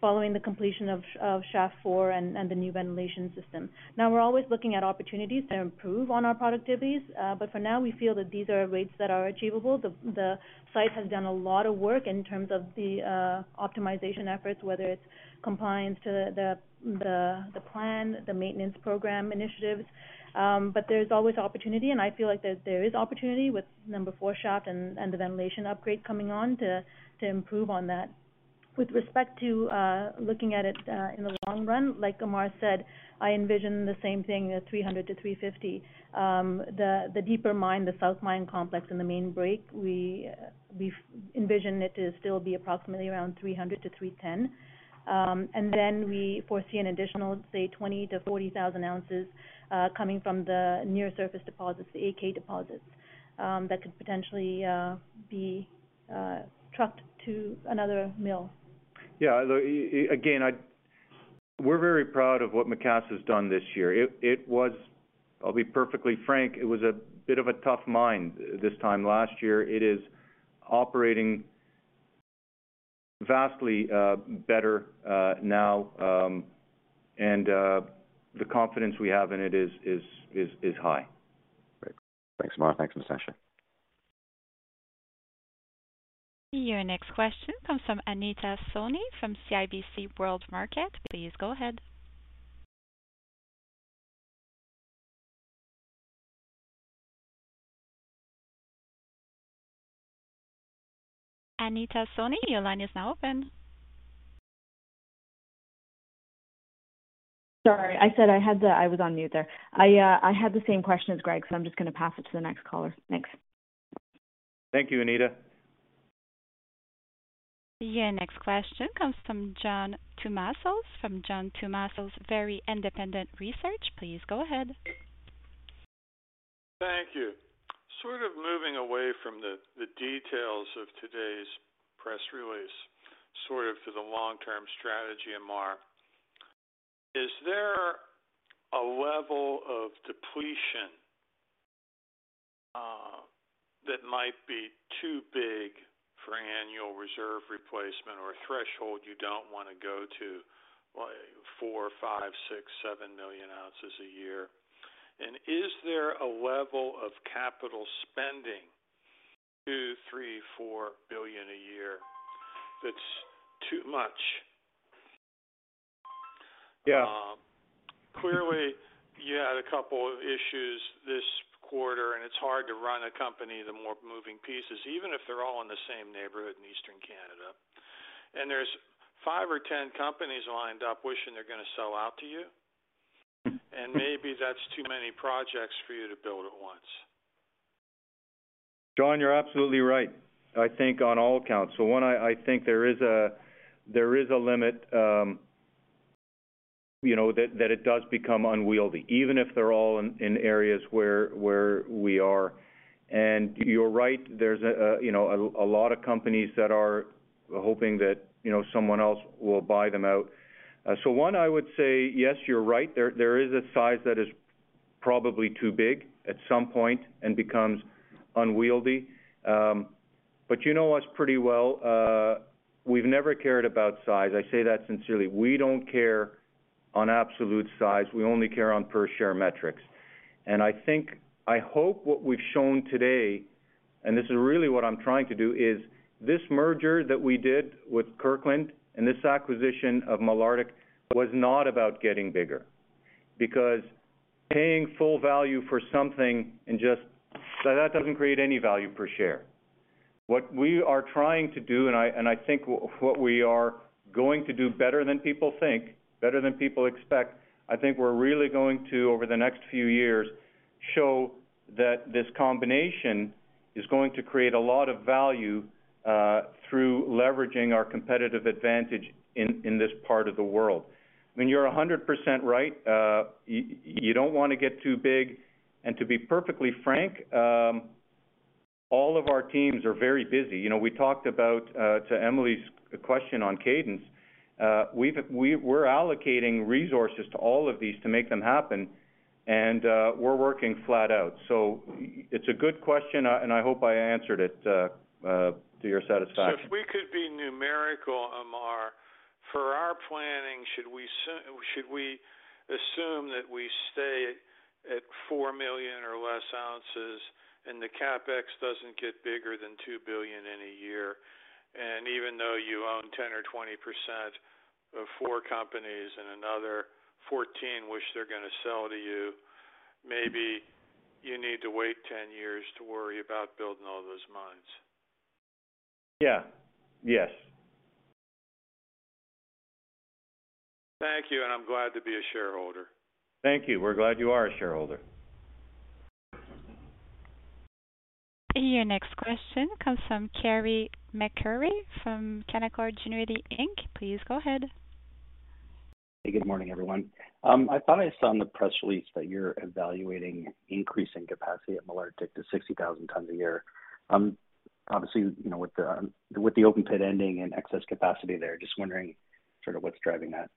following the completion of Shaft Four and the new ventilation system. We're always looking at opportunities to improve on our productivities, but for now we feel that these are rates that are achievable. The site has done a lot of work in terms of the optimization efforts, whether it's compliance to the plan, the maintenance program initiatives. There's always opportunity, and I feel like there is opportunity with Number Four Shaft and the ventilation upgrade coming on to improve on that. With respect to looking at it in the long run, like Ammar said, I envision the same thing, 300-350. The deeper mine, the South Mine complex and the Main Break, we envision it to still be approximately around 300-310. Then we foresee an additional, say, 20,000-40,000 oz coming from the near surface deposits, the AK deposits, that could potentially be trucked to another mill. Yeah, look, again, we're very proud of what Macassa has done this year. It was... I'll be perfectly frank, it was a bit of a tough mine this time last year. It is operating vastly better now, and the confidence we have in it is high. Great. Thanks, Ammar. Thanks, Natasha. Your next question comes from Anita Soni from CIBC World Markets. Please go ahead. Anita Soni, your line is now open. Sorry, I said I had. I was on mute there. I had the same question as Greg. I'm just gonna pass it to the next caller. Thanks. Thank you, Anita. Your next question comes from John Tumazos from John Tumazos Very Independent Research. Please go ahead. Thank you. Sort of moving away from the details of today's press release, sort of for the long-term strategy, Ammar. Is there a level of depletion that might be too big for annual reserve replacement or a threshold you don't wanna go to, like, 4, 5, 6, 7 million oz a year? Is there a level of capital spending, 2, 3, 4 billion a year, that's too much? Yeah. Clearly, you had a couple of issues this quarter, it's hard to run a company, the more moving pieces, even if they're all in the same neighborhood in Eastern Canada. There's five or 10 companies lined up wishing they're gonna sell out to you. Maybe that's too many projects for you to build at once. John, you're absolutely right, I think, on all counts. I think there is a limit, you know, that it does become unwieldy, even if they're all in areas where we are. you're right, there's a, you know, a lot of companies that are hoping that, you know, someone else will buy them out. I would say, yes, you're right. There is a size that is probably too big at some point and becomes unwieldy. you know us pretty well. We've never cared about size. I say that sincerely. We don't care on absolute size. We only care on per share metrics. I think, I hope what we've shown today, and this is really what I'm trying to do, is this merger that we did with Kirkland and this acquisition of Malartic was not about getting bigger. Paying full value for something and just, that doesn't create any value per share. What we are trying to do, and I think what we are going to do better than people think, better than people expect, I think we're really going to, over the next few years, show that this combination is going to create a lot of value through leveraging our competitive advantage in this part of the world. I mean, you're 100% right. You don't wanna get too big. To be perfectly frank, all of our teams are very busy. You know, we talked about to Emily's question on cadence, we're allocating resources to all of these to make them happen and we're working flat out. It's a good question, I hope I answered it to your satisfaction. If we could be numerical, Ammar. For our planning, should we assume that we stay at 4 million or less ounces and the CapEx doesn't get bigger than $2 billion in a year? Even though you own 10% or 20% of four companies and another 14 wish they're going to sell to you, maybe you need to wait 10 years to worry about building all those mines. Yeah. Yes. Thank you, and I'm glad to be a shareholder. Thank you. We're glad you are a shareholder. Your next question comes from Carey MacRury from Canaccord Genuity Inc. Please go ahead. Good morning, everyone. I thought I saw in the press release that you're evaluating increasing capacity at Malartic to 60,000 tons a year. Obviously, you know, with the open pit ending and excess capacity there, just wondering sort of what's driving that?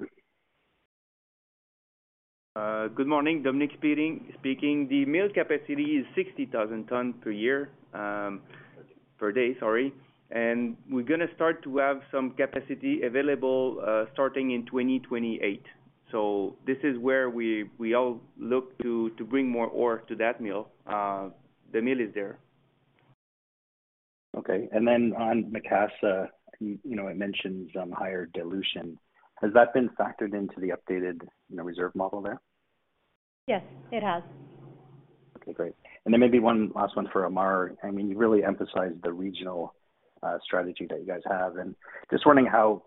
Good morning. Dominique speaking. The mill capacity is 60,000 ton per year, per day, sorry. We're gonna start to have some capacity available, starting in 2028. This is where we all look to bring more ore to that mill. The mill is there. Okay. On Macassa, you know, it mentions higher dilution. Has that been factored into the updated, you know, reserve model there? Yes, it has. Okay, great. Maybe on last one for Ammar. I mean, you really emphasized the regional strategy that you guys have. Just wondering how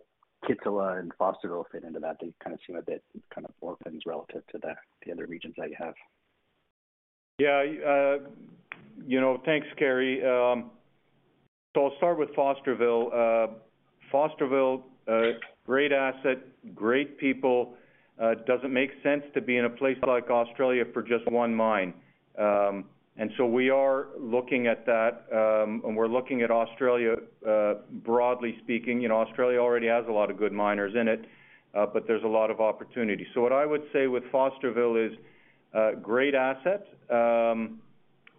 Kittilä and Fosterville fit into that. They kind of seem a bit kind of orphans relative to the other regions that you have. You know, thanks, Carey. I'll start with Fosterville. Fosterville, great asset, great people. Doesn't make sense to be in a place like Australia for just one mine. We are looking at that, and we're looking at Australia, broadly speaking. You know, Australia already has a lot of good miners in it, there's a lot of opportunity. What I would say with Fosterville is, great asset,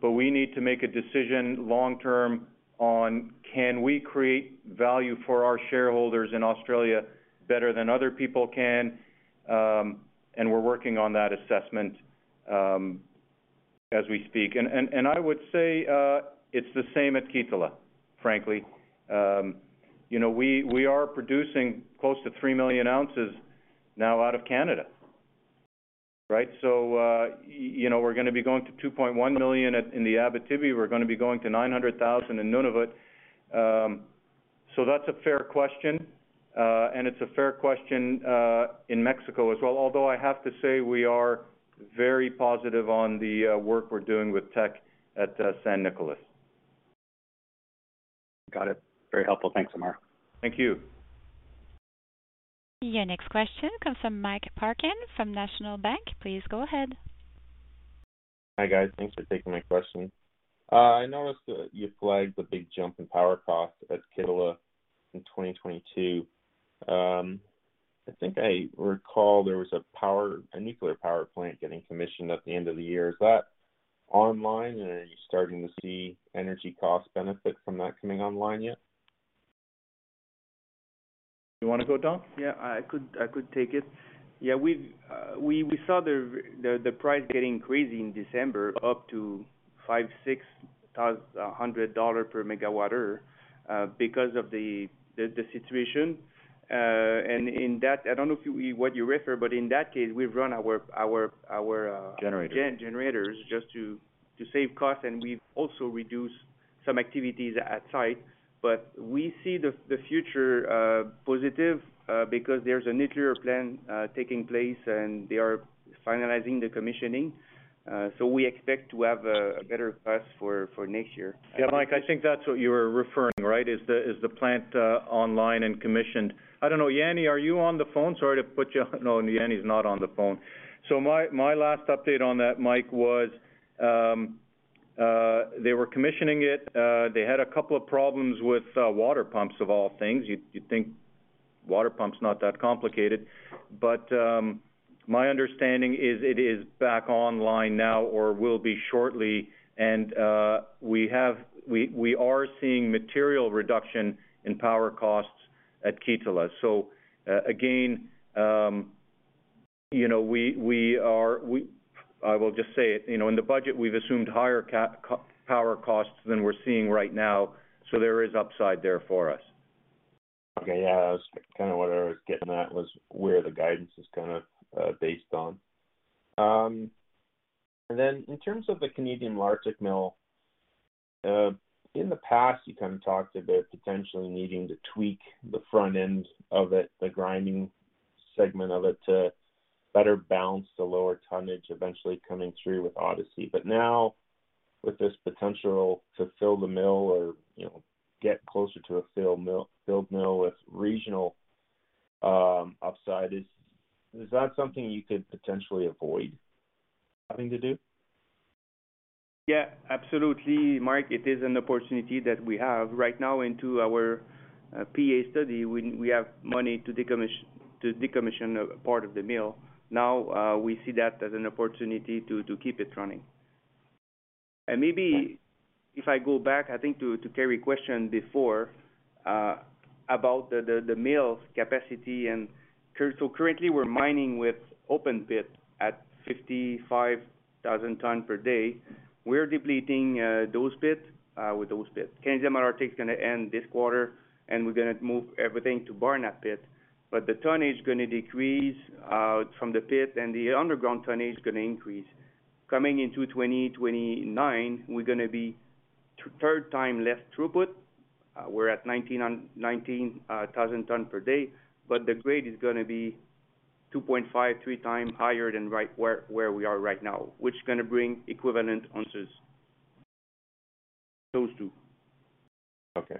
we need to make a decision long term on can we create value for our shareholders in Australia better than other people can. We're working on that assessment, as we speak. I would say, it's the same at Kittilä, frankly. You know, we are producing close to 3 million oz now out of Canada, right? You know, we're gonna be going to $2.1 million in the Abitibi. We're gonna be going to $900,000 in Nunavut. That's a fair question, and it's a fair question in Mexico as well. Although, I have to say we are very positive on the work we're doing with Teck at San Nicolas. Got it. Very helpful. Thanks, Ammar. Thank you. Your next question comes from Mike Parkin from National Bank. Please go ahead. Hi, guys. Thanks for taking my question. I noticed that you flagged the big jump in power costs at Kittilä in 2022. I think I recall there was a nuclear power plant getting commissioned at the end of the year. Is that online and are you starting to see energy cost benefit from that coming online yet? You wanna go, Dom? Yeah, I could take it. Yeah, we've saw the price getting crazy in December, up to $500-$600 per megawatt hour, because of the situation. In that, I don't know if you, what you refer, but in that case, we've run our. Generators... generators just to save costs, and we've also reduced some activities at site. We see the future positive because there's a nuclear plant taking place, and they are finalizing the commissioning. We expect to have a better cost for next year. Mike, I think that's what you were referring, right? Is the plant online and commissioned. I don't know, Yanni, are you on the phone? Sorry to put you on... No, Yanni's not on the phone. My last update on that, Mike, was they were commissioning it. They had a couple of problems with water pumps of all things. You'd think water pump's not that complicated. My understanding is it is back online now or will be shortly. We have, we are seeing material reduction in power costs at Kittilä. Again, you know, we are, I will just say it. You know, in the budget, we've assumed higher power costs than we're seeing right now, so there is upside there for us. Okay. Yeah, that was kind of what I was getting at, was where the guidance is kind of based on. In terms of the Canadian Malartic Mill, in the past, you kind of talked a bit potentially needing to tweak the front end of it, the grinding segment of it, to better balance the lower tonnage eventually coming through with Odyssey. Now, with this potential to fill the mill or, you know, get closer to a filled mill with regional upside, is that something you could potentially avoid having to do? Yeah, absolutely, Mike. It is an opportunity that we have right now into our PEA study. We have money to decommission a part of the mill. Now, we see that as an opportunity to keep it running. Maybe if I go back, I think to Carey question before about the mill's capacity. Currently, we're mining with open pit at 55,000 ton per day. We're depleting those pit. Canadian Malartic's gonna end this quarter, and we're gonna move everything to Barnat Pit. The tonnage gonna decrease from the pit, and the underground tonnage gonna increase. Coming into 2029, we're gonna be third time less throughput. We're at 19,000 tons per day, the grade is gonna be 2.5, 3 times higher than right where we are right now, which is gonna bring equivalent answers. Those two. Okay.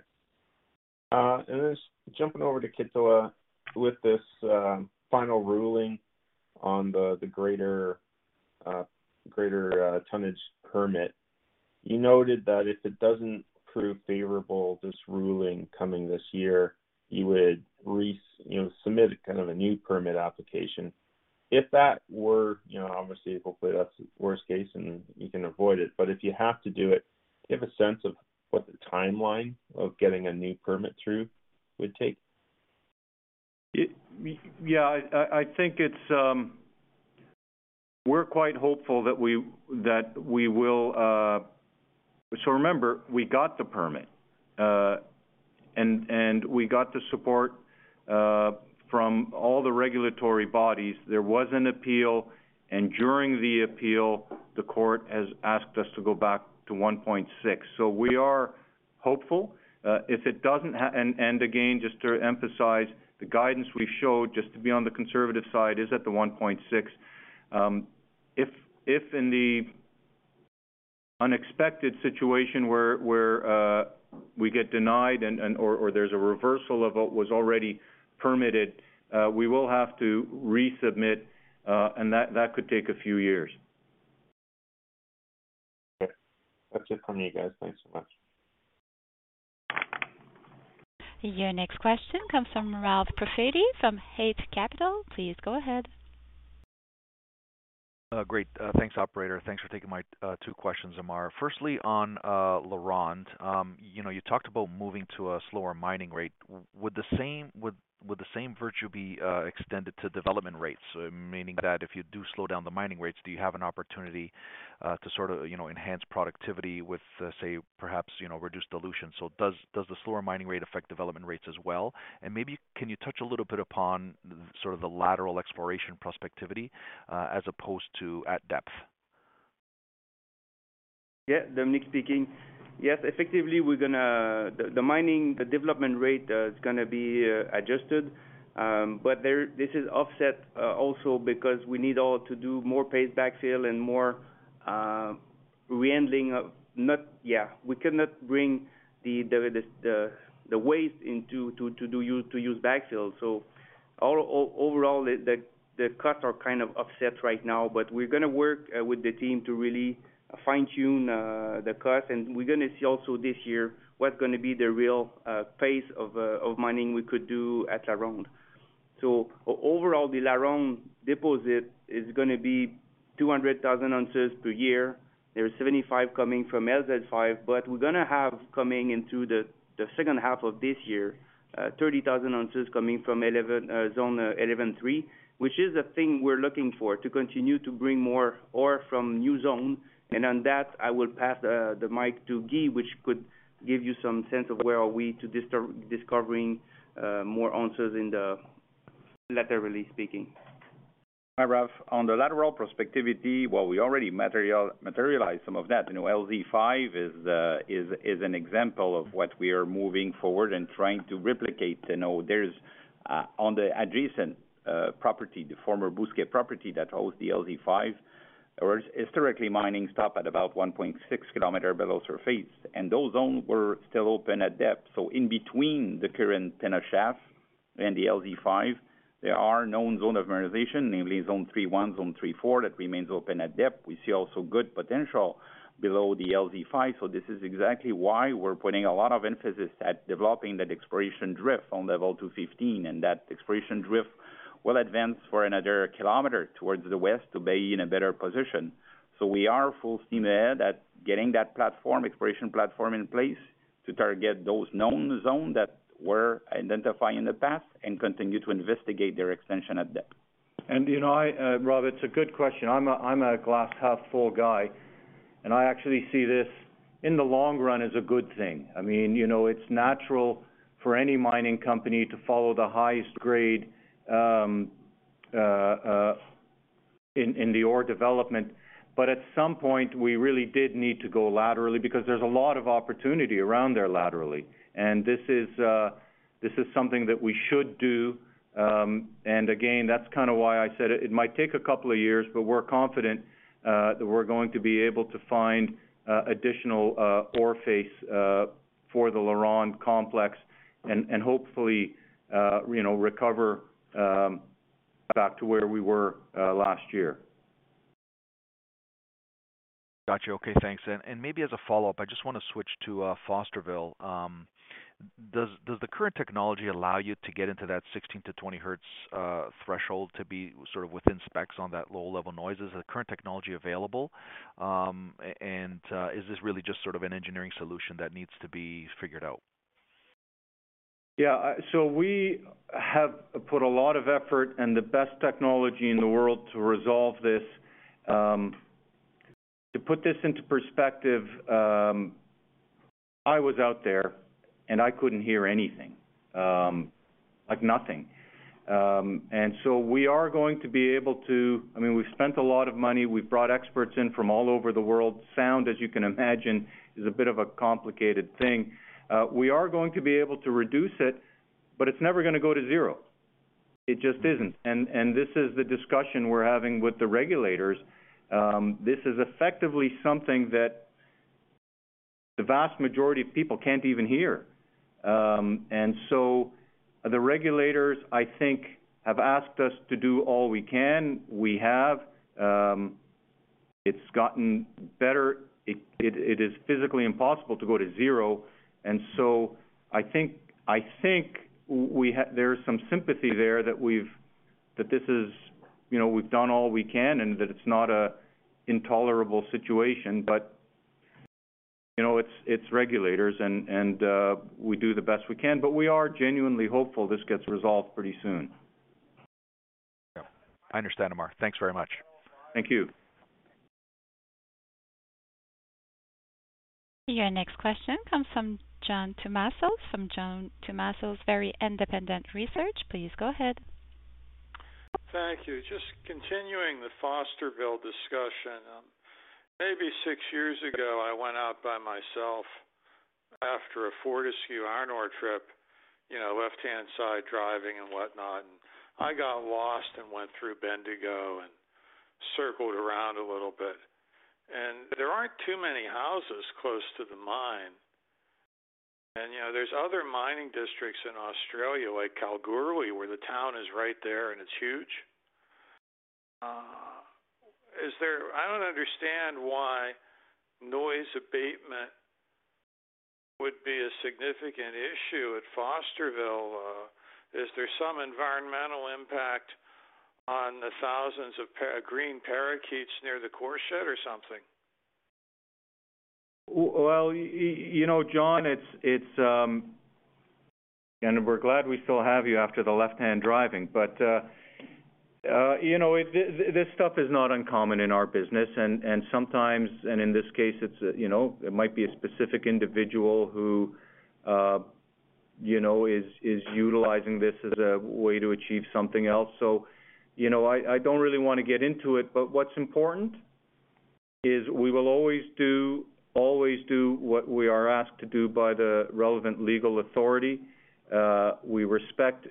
Just jumping over to Kittilä, with this final ruling on the greater tonnage permit, you noted that if it doesn't prove favorable, this ruling coming this year, you would, you know, submit kind of a new permit application. If that were, you know, obviously, hopefully, that's worst case and you can avoid it, but if you have to do it, do you have a sense of what the timeline of getting a new permit through would take? Yeah. I think it's. We're quite hopeful that we will. Remember, we got the permit and we got the support from all the regulatory bodies. There was an appeal. During the appeal, the court has asked us to go back to 1.6. We are hopeful. If it doesn't. Again, just to emphasize, the guidance we showed, just to be on the conservative side, is at the 1.6. If in the unexpected situation where we get denied and or there's a reversal of what was already permitted, we will have to resubmit, and that could take a few years. Okay. That's it from me, guys. Thanks so much. Your next question comes from Ralph Profiti from Eight Capital. Please go ahead. Great. Thanks, operator. Thanks for taking my two questions, Ammar. Firstly, on LaRonde, you know, you talked about moving to a slower mining rate. Would the same virtue be extended to development rates? Meaning that if you do slow down the mining rates, do you have an opportunity to sort of, you know, enhance productivity with, say, perhaps, you know, reduced dilution? Does the slower mining rate affect development rates as well? Maybe can you touch a little bit upon sort of the lateral exploration prospectivity as opposed to at depth? Dominique speaking. Yes, effectively, we're gonna. The mining, the development rate is gonna be adjusted. This is offset also because we need to do more paste backfill and more. We cannot bring the waste into to use backfill. Overall, the cuts are kind of offset right now. We're gonna work with the team to really fine-tune the cuts. We're gonna see also this year what's gonna be the real pace of mining we could do at LaRonde. Overall, the LaRonde deposit is gonna be 200,000 oz per year. There are 75 coming from LZ5, but we're gonna have coming into the second half of this year, 30,000 oz coming from 11, zone, Zone 11-3, which is a thing we're looking for, to continue to bring more ore from new zone. On that, I will pass the mic to Guy, which could give you some sense of where are we to discovering more answers in the laterally speaking. Hi, Ralph. On the lateral prospectivity, well, we already materialized some of that. You know, LZ5 is an example of what we are moving forward and trying to replicate. You know, there's on the adjacent property, the former Bousquet property that holds the LZ5, where historically, mining stopped at about 1.6 km below surface. Those zones were still open at depth. In between the current Penna Shaft and the LZ5, there are known zone of mineralization, namely Zone 3-1, Zone 3-4, that remains open at depth. We see also good potential below the LZ5. This is exactly why we're putting a lot of emphasis at developing that exploration drift on Level 215. That exploration drift will advance for another kilometer towards the west to be in a better position. We are full steam ahead at getting that platform, exploration platform in place to target those known zone that were identified in the past and continue to investigate their extension at depth. You know, I, Rob, it's a good question. I'm a glass half full guy, and I actually see this in the long run as a good thing. I mean, you know, it's natural for any mining company to follow the highest grade in the ore development. At some point, we really did need to go laterally because there's a lot of opportunity around there laterally. This is something that we should do. Again, that's kind of why I said it might take a couple of years, but we're confident that we're going to be able to find additional ore face for the LaRonde complex and hopefully, you know, recover back to where we were last year. Got you. Okay, thanks. Maybe as a follow-up, I just wanna switch to Fosterville. Does the current technology allow you to get into that 16-20 Hz threshold to be sort of within specs on that low-level noise? Is the current technology available? And is this really just sort of an engineering solution that needs to be figured out? We have put a lot of effort and the best technology in the world to resolve this. To put this into perspective, I was out there, and I couldn't hear anything. Like nothing. We are going to be able to... I mean, we've spent a lot of money. We've brought experts in from all over the world. Sound, as you can imagine, is a bit of a complicated thing. We are going to be able to reduce it, but it's never gonna go to zero. It just isn't. This is the discussion we're having with the regulators. This is effectively something that the vast majority of people can't even hear. The regulators, I think, have asked us to do all we can. We have. It's gotten better. It is physically impossible to go to zero. I think we have there is some sympathy there that we've that this is, you know, we've done all we can and that it's not an intolerable situation. You know, it's regulators and we do the best we can. We are genuinely hopeful this gets resolved pretty soon. Yeah, I understand, Ammar. Thanks very much. Thank you. Your next question comes from John Tumazos, from John Tumazos Very Independent Research. Please go ahead. Thank you. Just continuing the Fosterville discussion. Maybe six years ago, I went out by myself after a Fortescue iron ore trip, you know, left-hand side driving and whatnot, and I got lost and went through Bendigo and circled around a little bit. There aren't too many houses close to the mine. You know, there's other mining districts in Australia, like Kalgoorlie, where the town is right there and it's huge. I don't understand why noise abatement would be a significant issue at Fosterville. Is there some environmental impact on the thousands of green parakeets near the course shed or something? Well, you know, John, it's. We're glad we still have you after the left-hand driving. You know, this stuff is not uncommon in our business. Sometimes, and in this case, it's, you know, it might be a specific individual who, you know, is utilizing this as a way to achieve something else. You know, I don't really wanna get into it, but what's important is we will always do what we are asked to do by the relevant legal authority. We respect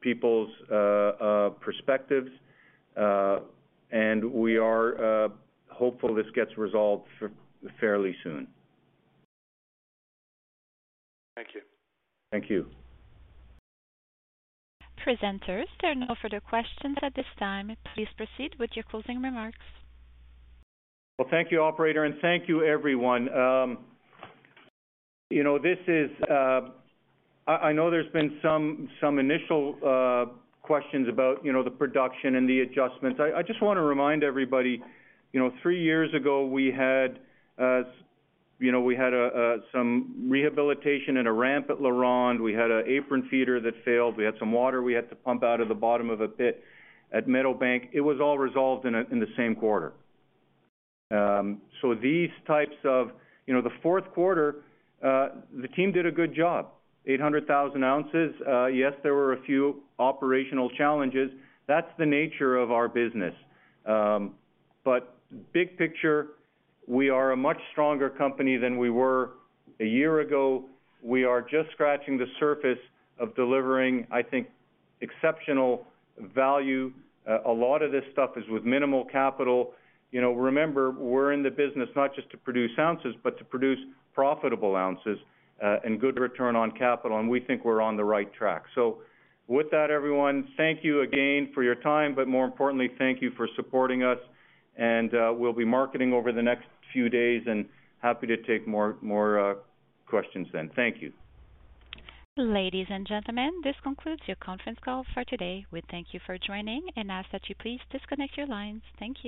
people's perspectives, and we are hopeful this gets resolved fairly soon. Thank you. Thank you. Presenters, there are no further questions at this time. Please proceed with your closing remarks. Well, thank you, operator, and thank you everyone. You know, I know there's been some initial questions about, you know, the production and the adjustments. I just wanna remind everybody, you know, 3 years ago, we had, you know, we had some rehabilitation and a ramp at LaRonde. We had an apron feeder that failed. We had some water we had to pump out of the bottom of a pit at Meadowbank. It was all resolved in the same quarter. You know, the fourth quarter, the team did a good job. 800,000 oz. Yes, there were a few operational challenges. That's the nature of our business. Big picture, we are a much stronger company than we were a year ago. We are just scratching the surface of delivering, I think, exceptional value. A lot of this stuff is with minimal capital. You know, remember, we're in the business not just to produce ounces, but to produce profitable ounces, and good return on capital, and we think we're on the right track. With that, everyone, thank you again for your time, but more importantly, thank you for supporting us. We'll be marketing over the next few days and happy to take more questions then. Thank you. Ladies and gentlemen, this concludes your conference call for today. We thank you for joining and ask that you please disconnect your lines. Thank you.